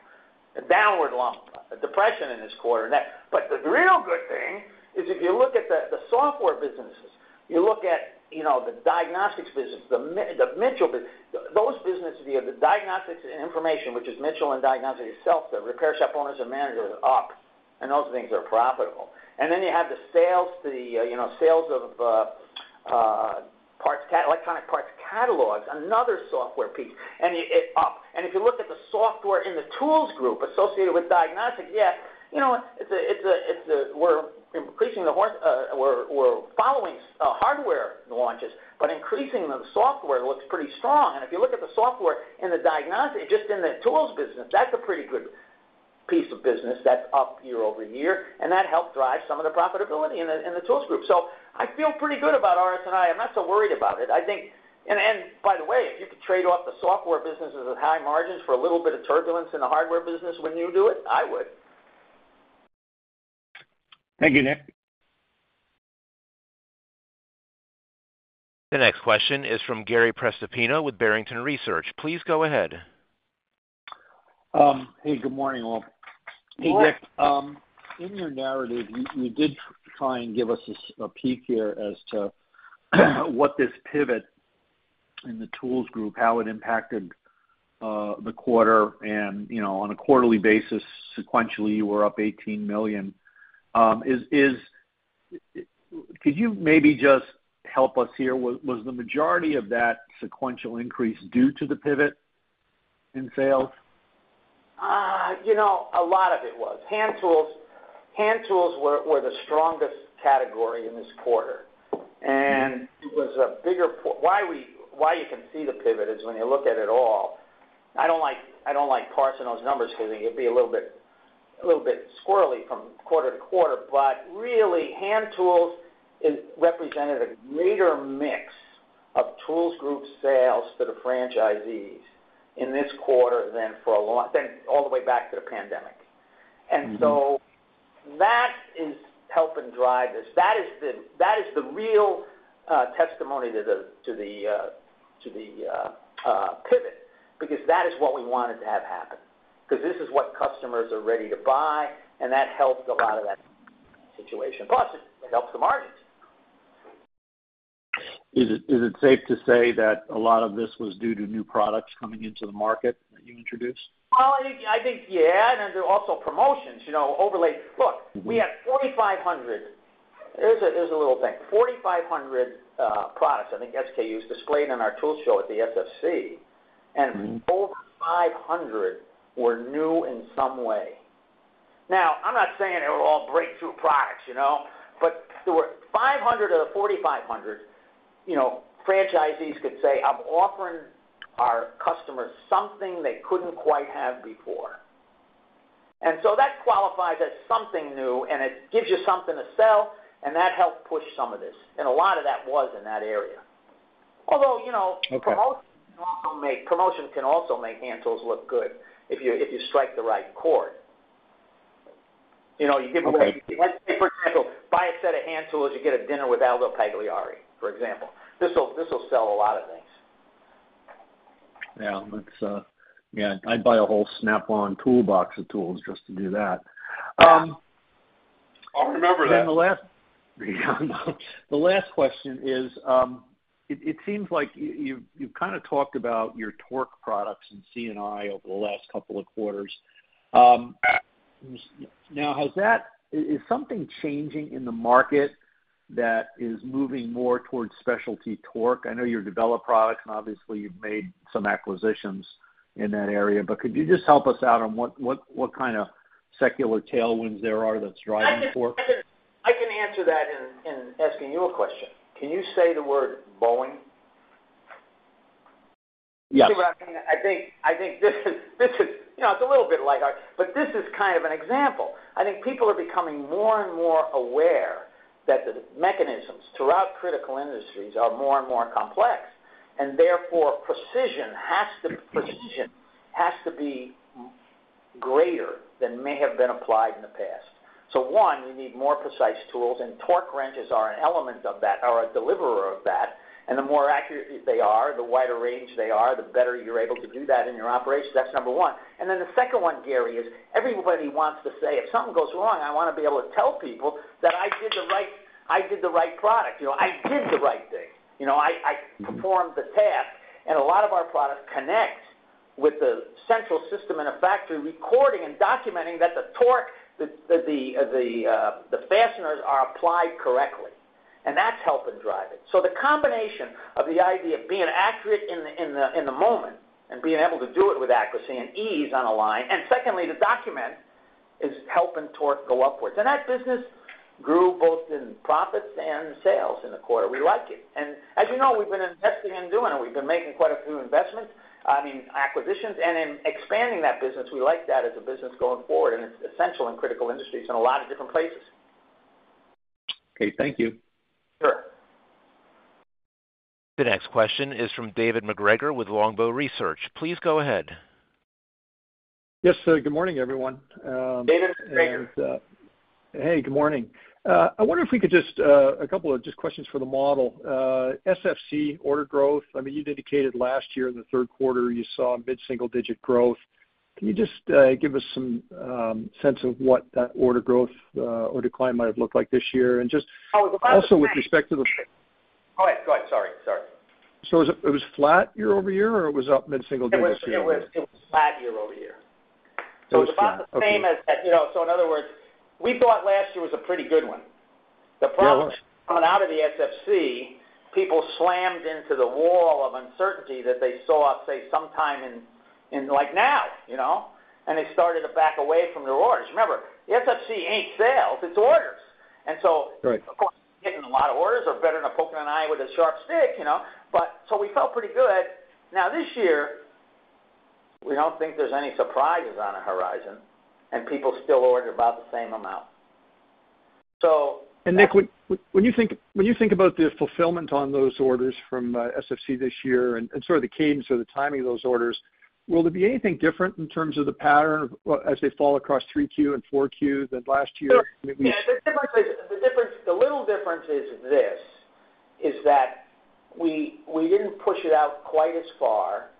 a downward lump, a depression in this quarter. That. But the real good thing is, if you look at the software businesses, you look at, you know, the diagnostics business, the Mitchell business, those businesses, the diagnostics and information, which is Mitchell and diagnostics itself, the repair shop owners and managers are up, and those things are profitable. And then you have the sales, you know, sales of parts catalogs, electronic parts catalogs, another software piece, and it up. And if you look at the software in the Tools Group associated with diagnostics, yeah, you know, we're increasing the software following hardware launches, but increasing the software looks pretty strong. And if you look at the software in the diagnostics, just in the tools business, that's a pretty good piece of business that's up year over year, and that helped drive some of the profitability in the Tools Group. So I feel pretty good about RS&I. I'm not so worried about it. I think. And by the way, if you could trade off the software businesses with high margins for a little bit of turbulence in the hardware business, wouldn't you do it? I would. Thank you, Nick. The next question is from Gary Prestopino with Barrington Research. Please go ahead. Hey, good morning, all. Good morning. Hey, Nick, in your narrative, you did try and give us a peek here as to what this pivot in the Tools Group, how it impacted the quarter. And, you know, on a quarterly basis, sequentially, you were up $18 million. Could you maybe just help us here? Was the majority of that sequential increase due to the pivot in sales? You know, a lot of it was. Hand tools were the strongest category in this quarter, and it was a bigger why you can see the pivot is when you look at it all. I don't like parsing those numbers because it'd be a little bit squirrely from quarter to quarter. But really, hand tools is represented a greater mix of Tools Group sales to the franchisees in this quarter than all the way back to the pandemic, and so that is helping drive this. That is the real testimony to the pivot, because that is what we wanted to have happen. Because this is what customers are ready to buy, and that helps a lot of that situation, plus it helps the margins. Is it safe to say that a lot of this was due to new products coming into the market that you introduced? I think, yeah, and then there are also promotions, you know, overlay. Look, we had 4,500. Here's a little thing. 4,500 products, I think SKUs, displayed in our tool show at the SFC, and over 500 were new in some way. Now, I'm not saying they were all breakthrough products, you know? But there were 500 of the 4,500, you know, franchisees could say, "I'm offering our customers something they couldn't quite have before." And so that qualifies as something new, and it gives you something to sell, and that helped push some of this. And a lot of that was in that area. Although, you know. Promotions can also make hand tools look good if you strike the right chord. You know, you give away. For example, buy a set of hand tools, you get a dinner with Aldo Pagliari, for example. This will sell a lot of things. Yeah, I'd buy a whole Snap-on toolbox of tools just to do that. I'll remember that. Then the last question is, it seems like you've kind of talked about your torque products in C&I over the last couple of quarters. Now, has that is something changing in the market that is moving more towards specialty torque? I know you develop products, and obviously, you've made some acquisitions in that area, but could you just help us out on what kind of secular tailwinds there are that's driving torque? I can answer that in asking you a question. Can you say the word Boeing? Yes. You see what I mean? I think, I think this is, this is, you know, it's a little bit lighthearted, but this is kind of an example. I think people are becoming more and more aware that the mechanisms throughout critical industries are more and more complex, and therefore, precision has to, precision has to be greater than may have been applied in the past. So one, you need more precise tools, and torque wrenches are an element of that, or a deliverer of that. And the more accurate they are, the wider range they are, the better you're able to do that in your operations. That's number one. And then the second one, Gary, is everybody wants to say, "If something goes wrong, I wanna be able to tell people that I did the right, I did the right product. You know, I did the right thing. “You know, I performed the task.” A lot of our products connect with the central system in a factory, recording and documenting that the torque, that the fasteners are applied correctly, and that's helping drive it. The combination of the idea of being accurate in the moment and being able to do it with accuracy and ease on a line, and secondly, to document, is helping torque go upwards. That business grew both in profits and sales in the quarter. We like it. As you know, we've been investing in doing it. We've been making quite a few investments, I mean, acquisitions. In expanding that business, we like that as a business going forward, and it's essential in critical industries in a lot of different places. Okay. Thank you. Sure. The next question is from David MacGregor with Longbow Research. Please go ahead. Yes, sir. Good morning, everyone. David MacGregor. Hey, good morning. I wonder if we could just a couple of just questions for the model. SFC order growth, I mean, you'd indicated last year in the 3rd quarter, you saw mid-single-digit growth. Can you just give us some sense of what that order growth or decline might have looked like this year? And just also with respect to the- Go ahead. Sorry. So it was flat year-over-year, or it was up mid-single digit? It was flat year-over-year. It was flat, okay. So about the same as, you know, so in other words, we thought last year was a pretty good one. Yeah. The problem coming out of the SFC, people slammed into the wall of uncertainty that they saw, say, sometime in, like, now, you know, and they started to back away from their orders. Remember, the SFC ain't sales. It's orders. And so- Right. Of course, getting a lot of orders are better than poking an eye with a sharp stick, you know? But so we felt pretty good. Now, this year, we don't think there's any surprises on the horizon, and people still order about the same amount. So- Nick, when you think about the fulfillment on those orders from SFC this year and sort of the cadence or the timing of those orders, will there be anything different in terms of the pattern of as they fall across 3Q and 4Q than last year? Yeah, the little difference is this, is that we didn't push it out quite as far,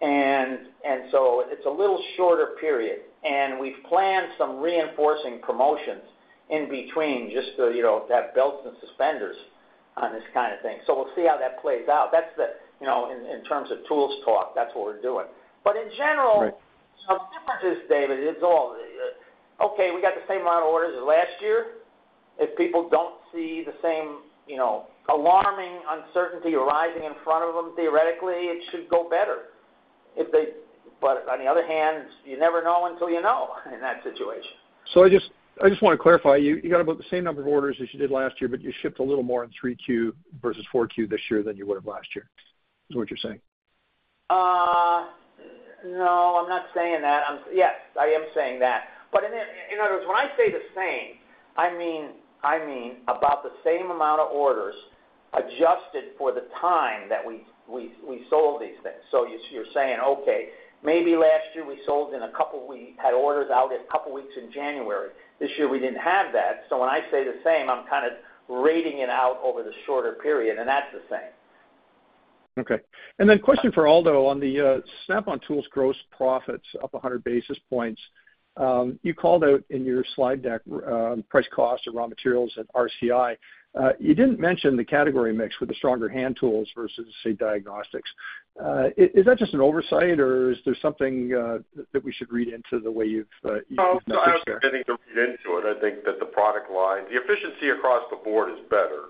and so it's a little shorter period. And we've planned some reinforcing promotions in between, just so, you know, that belts and suspenders on this kind of thing. So we'll see how that plays out. That's the... You know, in terms of tools talk, that's what we're doing. But in general- Right. The difference is, David, it's all. Okay, we got the same amount of orders as last year. If people don't see the same, you know, alarming uncertainty arising in front of them, theoretically, it should go better if they. But on the other hand, you never know until you know in that situation. So I just want to clarify, you got about the same number of orders as you did last year, but you shipped a little more in 3Q versus 4Q this year than you would have last year. Is that what you're saying? No, I'm not saying that. I'm, yes, I am saying that. But in other words, when I say the same, I mean about the same amount of orders adjusted for the time that we sold these things. So you're saying, okay, maybe last year we had orders out a couple of weeks in January. This year, we didn't have that. So when I say the same, I'm kind of rating it out over the shorter period, and that's the same. Okay. And then question for Aldo, on the Snap-on Tools gross profits up 100 basis points. You called out in your slide deck price, cost, or raw materials at RCI. You didn't mention the category mix with the stronger hand tools versus, say, diagnostics. Is that just an oversight, or is there something that we should read into the way you've you- No, I don't think there's anything to read into it. I think that the product line, the efficiency across the board is better.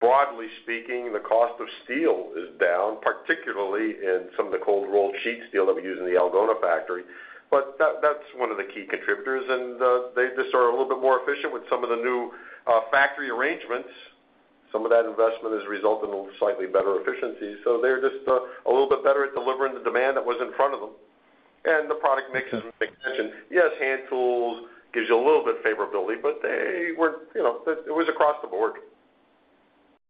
Broadly speaking, the cost of steel is down, particularly in some of the cold rolled sheet steel that we use in the Algona factory. But that, that's one of the key contributors, and they just are a little bit more efficient with some of the new factory arrangements. Some of that investment has resulted in slightly better efficiency. So they're just a little bit better at delivering the demand that was in front of them, and the product mix is as Nick mentioned. Yes, hand tools gives you a little bit of favorability, but they were, you know, it was across the board.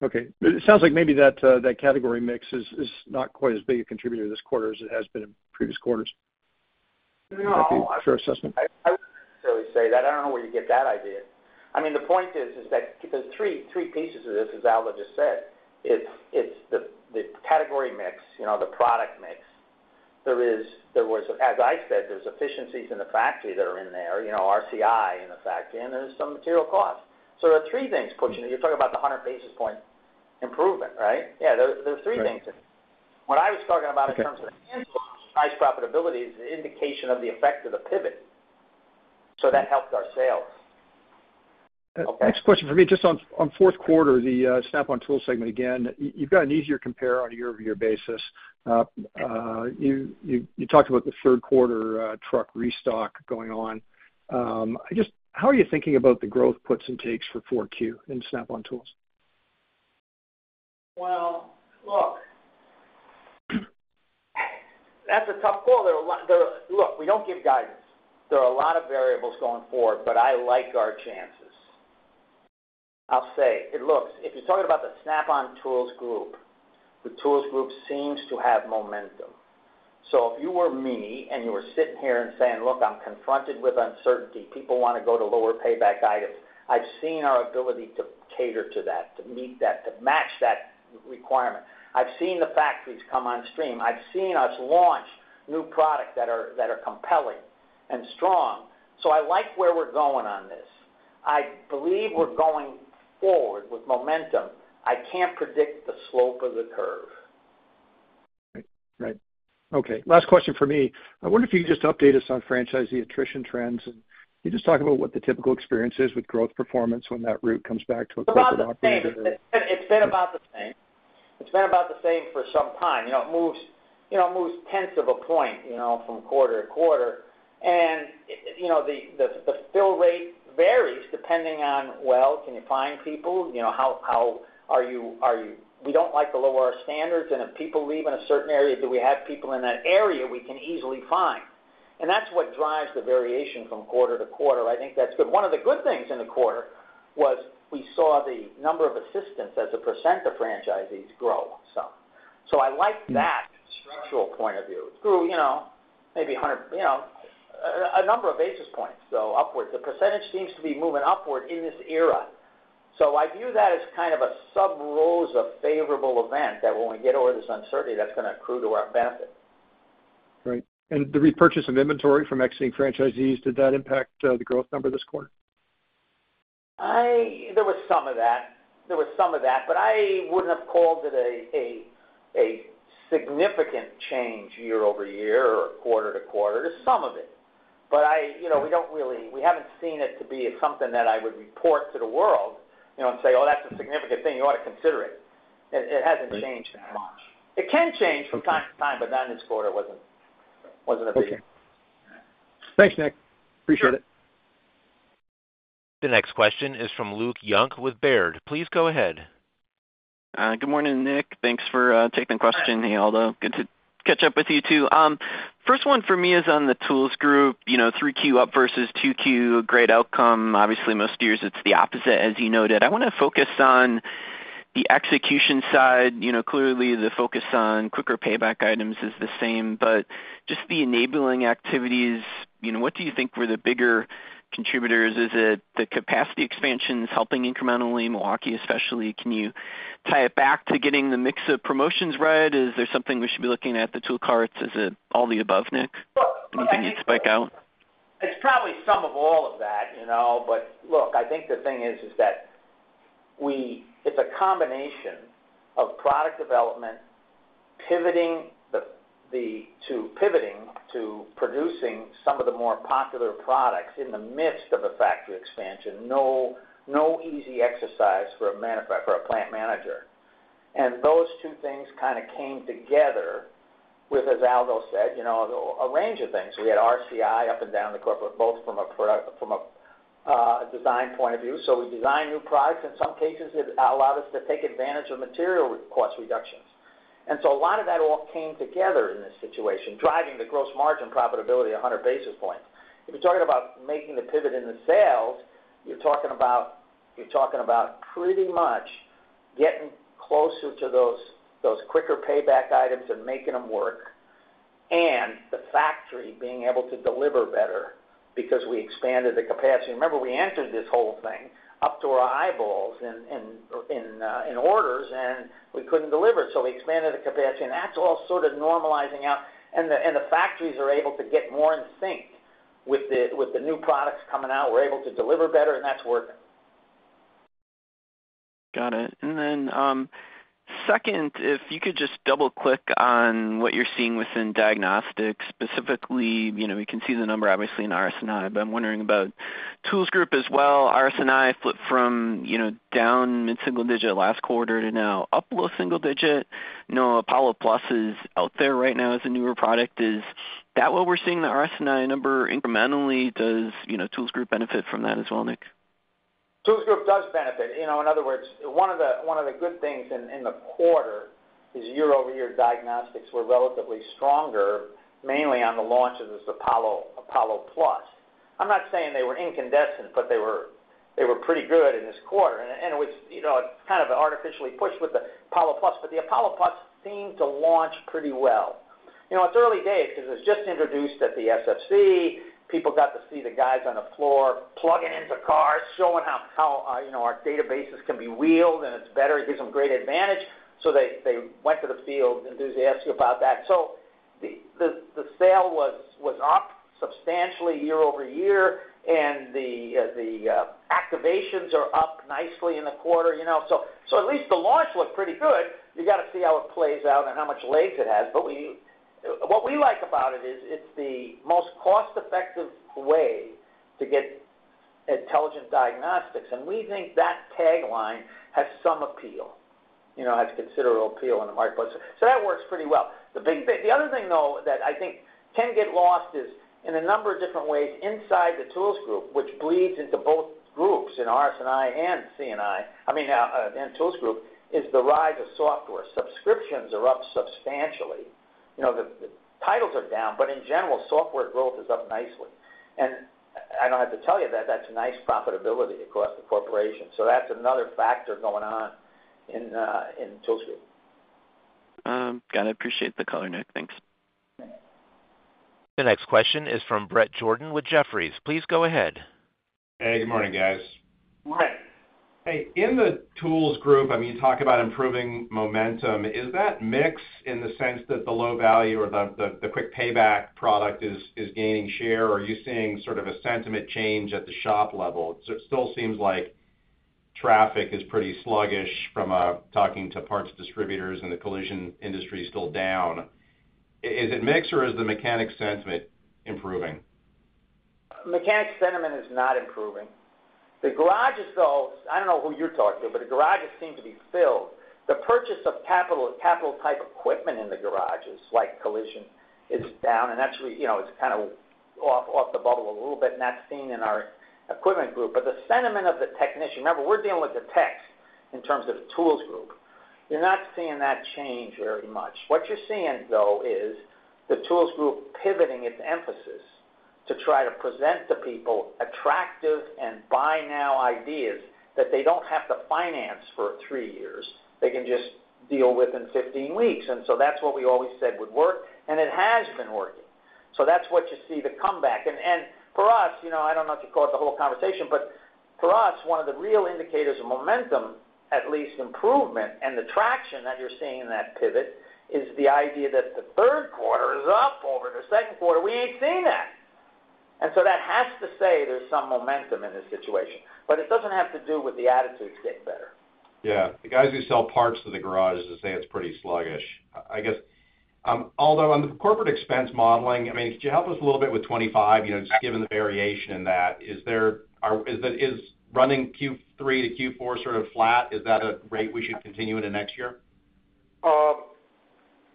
Okay. It sounds like maybe that category mix is not quite as big a contributor this quarter as it has been in previous quarters. No. Is that a fair assessment? I wouldn't necessarily say that. I don't know where you get that idea. I mean, the point is, is that there's three, three pieces of this, as Aldo just said. It's, it's the, the category mix, you know, the product mix. There is, there was, as I said, there's efficiencies in the factory that are in there, you know, RCI in the factory, and there's some material costs. So there are three things pushing it. You're talking about the 100 basis point improvement, right? Yeah, there, there are three things. Right. What I was talking about in terms of hand tools, nice profitability is an indication of the effect of the pivot, so that helped our sales. Next question for me, just on fourth quarter, the Snap-on Tools segment again. You've got an easier compare on a year-over-year basis. You talked about the 3rd quarter, truck restock going on. I just, how are you thinking about the growth puts and takes for 4Q in Snap-on Tools? Well, look, that's a tough call. Look, we don't give guidance. There are a lot of variables going forward, but I like our chances. I'll say, it looks, if you're talking about the Snap-on Tools Group, the Tools Group seems to have momentum. So if you were me, and you were sitting here and saying: Look, I'm confronted with uncertainty, people want to go to lower payback items. I've seen our ability to cater to that, to meet that, to match that requirement. I've seen the factories come on stream. I've seen us launch new products that are compelling and strong. So I like where we're going on this. I believe we're going forward with momentum. I can't predict the slope of the curve. Right. Right. Okay, last question for me. I wonder if you could just update us on franchisee attrition trends, and can you just talk about what the typical experience is with growth performance when that route comes back to- About the same. It's been about the same for some time. You know, it moves tenths of a point, you know, from quarter to quarter. And the fill rate varies depending on, well, can you find people? You know, how are you. We don't like to lower our standards, and if people leave in a certain area, do we have people in that area we can easily find? And that's what drives the variation from quarter to quarter. I think that's good. One of the good things in the quarter was we saw the number of assistants as a percent of franchisees grow some. So I like that structural point of view. It grew, you know, maybe 100, you know, a number of basis points, so upwards. The percentage seems to be moving upward in this era, so I view that as kind of a sub rosa of favorable event, that when we get over this uncertainty, that's gonna accrue to our benefit. Right. And the repurchase of inventory from exiting franchisees, did that impact, the growth number this quarter? There was some of that. There was some of that, but I wouldn't have called it a significant change year over year or quarter to quarter. There's some of it, but you know, we don't really, we haven't seen it to be something that I would report to the world, you know, and say, "Oh, that's a significant thing. You ought to consider it." It hasn't changed that much. It can change from time to time, but not in this quarter, it wasn't a biggie. Okay. Thanks, Nick. Appreciate it. The next question is from Luke Junk with Baird. Please go ahead. Good morning, Nick. Thanks for taking the question. Hey, Aldo, good to catch up with you, too. First one for me is on the Tools Group. You know, 3Q up versus 2Q, great outcome. Obviously, most years it's the opposite, as you noted. I wanna focus on the execution side. You know, clearly, the focus on quicker payback items is the same, but just the enabling activities, you know, what do you think were the bigger contributors? Is it the capacity expansions helping incrementally, Milwaukee, especially? Can you tie it back to getting the mix of promotions right? Is there something we should be looking at, the tool carts? Is it all the above, Nick? Anything that you'd spike out? It's probably some of all of that, you know, but look, I think the thing is, is that we. It's a combination of product development, pivoting to producing some of the more popular products in the midst of a factory expansion. No easy exercise for a plant manager. And those two things kind of came together with, as Aldo said, you know, a range of things. We had RCI up and down the corporate, both from a design point of view. So we designed new products. In some cases, it allowed us to take advantage of material cost reductions. And so a lot of that all came together in this situation, driving the gross margin profitability one hundred basis points. If you're talking about making the pivot in the sales, you're talking about pretty much getting closer to those quicker payback items and making them work, and the factory being able to deliver better because we expanded the capacity. Remember, we entered this whole thing up to our eyeballs in orders, and we couldn't deliver, so we expanded the capacity, and that's all sort of normalizing out. And the factories are able to get more in sync with the new products coming out. We're able to deliver better, and that's working. Got it. And then, second, if you could just double-click on what you're seeing within diagnostics, specifically, you know, we can see the number obviously in RS&I, but I'm wondering about Tools Group as well. RS&I flipped from, you know, down mid-single digit last quarter to now up low single digit. You know, APOLLO+ is out there right now as a newer product. Is that what we're seeing in the RS&I number incrementally? Does, you know, Tools Group benefit from that as well, Nick? Tools Group does benefit. You know, in other words, one of the good things in the quarter is year-over-year diagnostics were relatively stronger, mainly on the launch of this APOLLO+. I'm not saying they were incandescent, but they were pretty good in this quarter, and it was, you know, kind of artificially pushed with the APOLLO+, but the APOLLO+ seemed to launch pretty well. You know, it's early days because it was just introduced at the SFC. People got to see the guys on the floor plugging into cars, showing how, you know, our databases can be wielded, and it's better. It gives them great advantage. So they went to the field enthusiastic about that. So the sale was up substantially year over year, and the activations are up nicely in the quarter, you know. So at least the launch looked pretty good. You gotta see how it plays out and how much legs it has. But what we like about it is, it's the most cost-effective way to get Intelligent Diagnostics, and we think that tagline has some appeal, you know, has considerable appeal in the marketplace. So that works pretty well. The other thing, though, that I think can get lost is in a number of different ways, inside the Tools Group, which bleeds into both groups, in RS&I and C&I. I mean, in Tools Group, is the rise of software. Subscriptions are up substantially. You know, the titles are down, but in general, software growth is up nicely. And I don't have to tell you that that's nice profitability across the corporation. So that's another factor going on in Tools Group. Got it. Appreciate the color, Nick. Thanks. Thanks. The next question is from Bret Jordan with Jefferies. Please go ahead. Hey, good morning, guys. Morning. Hey, in the Tools Group, I mean, you talk about improving momentum. Is that mix in the sense that the low value or the quick payback product is gaining share, or are you seeing sort of a sentiment change at the shop level? It still seems like traffic is pretty sluggish from talking to parts distributors, and the collision industry is still down. Is it mix, or is the mechanic sentiment improving? Mechanic sentiment is not improving. The garages, though, I don't know who you're talking to, but the garages seem to be filled. The purchase of capital type equipment in the garages, like collision, is down, and actually, you know, it's kind of off the bubble a little bit, and that's seen in our equipment group. But the sentiment of the technician... Remember, we're dealing with the techs in terms of the Tools Group.... You're not seeing that change very much. What you're seeing, though, is the Tools Group pivoting its emphasis to try to present to people attractive and buy now ideas that they don't have to finance for three years. They can just deal with in fifteen weeks, and so that's what we always said would work, and it has been working. So that's what you see the comeback. For us, you know, I don't know if you caught the whole conversation, but for us, one of the real indicators of momentum, at least improvement and the traction that you're seeing in that pivot, is the idea that the 3rd quarter is up over the 2nd quarter. We ain't seen that, and so that has to say there's some momentum in this situation, but it doesn't have to do with the attitudes getting better. Yeah, the guys who sell parts to the garages say it's pretty sluggish. I guess, although on the corporate expense modeling, I mean, could you help us a little bit with twenty-five? You know, just given the variation in that, is it running Q3 to Q4 sort of flat? Is that a rate we should continue into next year?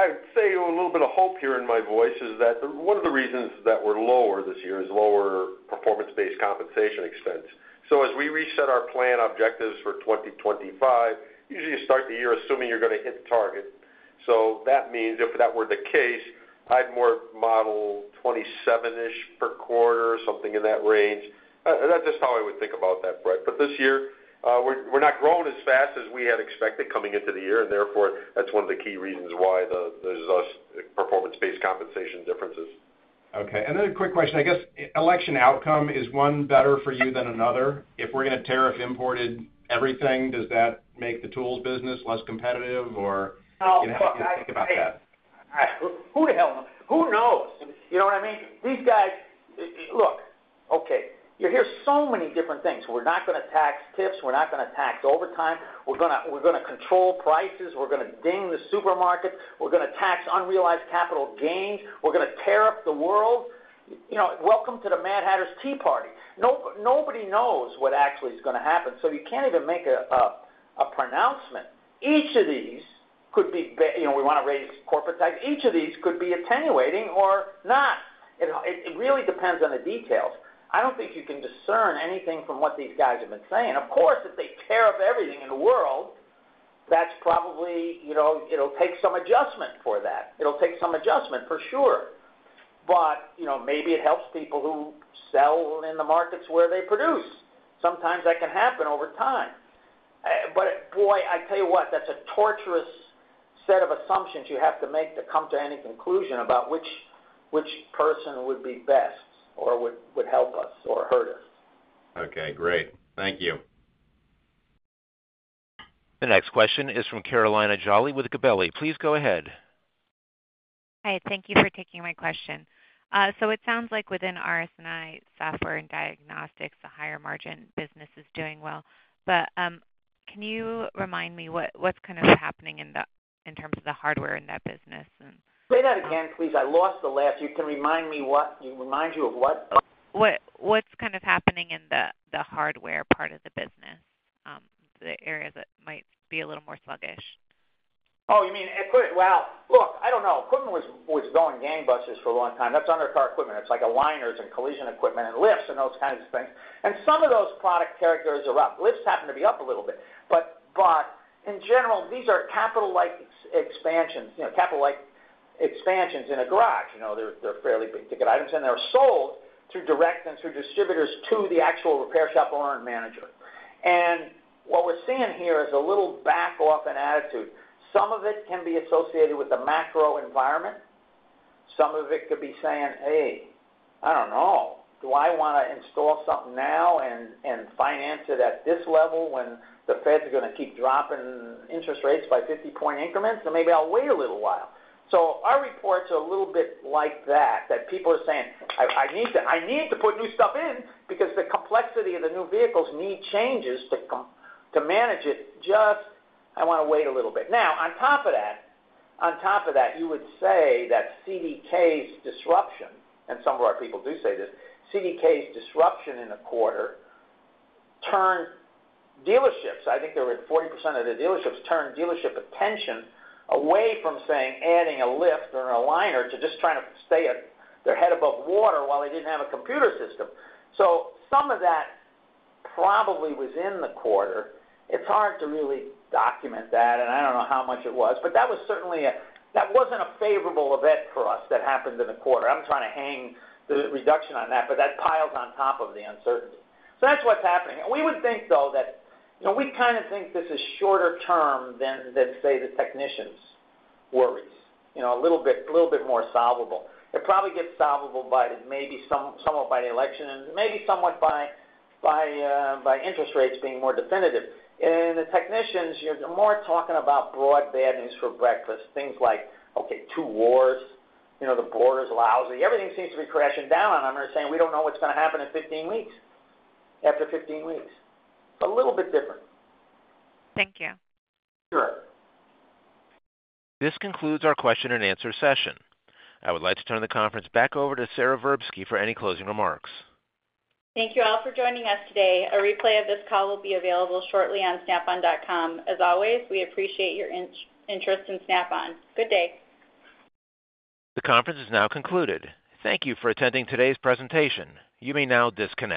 I'd say a little bit of hope here in my voice is that one of the reasons that we're lower this year is lower performance-based compensation expense. So as we reset our plan objectives for 2025, usually you start the year assuming you're going to hit target. So that means if that were the case, I'd more model 27-ish per quarter or something in that range. That's just how I would think about that, Brett. But this year, we're not growing as fast as we had expected coming into the year, and therefore, that's one of the key reasons why there's less performance-based compensation differences. Okay, and then a quick question. I guess election outcome, is one better for you than another? If we're going to tariff imported everything, does that make the tools business less competitive or- Oh, look- How do you think about that? Who the hell knows? Who knows? You know what I mean? These guys. Look, okay, you hear so many different things. We're not going to tax tips. We're not going to tax overtime. We're gonna control prices. We're gonna ding the supermarket. We're gonna tax unrealized capital gains. We're gonna tariff the world. You know, welcome to the Mad Hatter's Tea Party. Nobody knows what actually is going to happen, so you can't even make a pronouncement. Each of these could be, you know, we want to raise corporate tax. Each of these could be attenuating or not. It really depends on the details. I don't think you can discern anything from what these guys have been saying. Of course, if they tariff everything in the world, that's probably, you know, it'll take some adjustment for that. It'll take some adjustment, for sure. But, you know, maybe it helps people who sell in the markets where they produce. Sometimes that can happen over time. But boy, I tell you what, that's a torturous set of assumptions you have to make to come to any conclusion about which person would be best or would help us or hurt us. Okay, great. Thank you. The next question is from Carolina Jolly with Gabelli. Please go ahead. Hi, thank you for taking my question. So it sounds like within RS&I Software and Diagnostics, the higher margin business is doing well. But, can you remind me what's kind of happening in terms of the hardware in that business and- Say that again, please. I lost the last. You can remind me what? You remind you of what? What, what's kind of happening in the hardware part of the business, the area that might be a little more sluggish? Oh, you mean equipment. Well, look, I don't know. Equipment was going gangbusters for a long time. That's under our equipment. It's like aligners and collision equipment and lifts and those kinds of things. And some of those product categories are up. Lifts happen to be up a little bit. But in general, these are capital-like expansions, you know, capital-like expansions in a garage. You know, they're fairly big-ticket items, and they're sold through direct and through distributors to the actual repair shop owner and manager. And what we're seeing here is a little back off in attitude. Some of it can be associated with the macro environment. Some of it could be saying, "Hey, I don't know. Do I want to install something now and finance it at this level when the Fed is going to keep dropping interest rates by fifty point increments? So maybe I'll wait a little while." So our reports are a little bit like that, that people are saying, "I need to put new stuff in because the complexity of the new vehicles need changes to computers to manage it. Just, I want to wait a little bit." Now, on top of that, on top of that, you would say that CDK's disruption, and some of our people do say this, CDK's disruption in the quarter turned dealerships. I think there were 40% of the dealerships turned dealership attention away from saying, adding a lift or a liner to just trying to keep their head above water while they didn't have a computer system. So some of that probably was in the quarter. It's hard to really document that, and I don't know how much it was, but that was certainly a, that wasn't a favorable event for us that happened in the quarter. I'm trying to hang the reduction on that, but that piles on top of the uncertainty. So that's what's happening, and we would think, though, that, you know, we kind of think this is shorter term than, say, the technicians' worries, you know, a little bit, little bit more solvable. It probably gets solvable by maybe some, somewhat by the election and maybe somewhat by interest rates being more definitive, and the technicians, you're more talking about broad bad news for breakfast, things like, okay, two wars, you know, the border's lousy. Everything seems to be crashing down on her, saying, "We don't know what's going to happen in fifteen weeks, after fifteen weeks." A little bit different. Thank you. Sure. This concludes our Question-and-Answer session. I would like to turn the conference back over to Sara Verbsky for any closing remarks. Thank you all for joining us today. A replay of this call will be available shortly on snapon.com. As always, we appreciate your interest in Snap-on. Good day. The conference is now concluded. Thank you for attending today's presentation. You may now disconnect.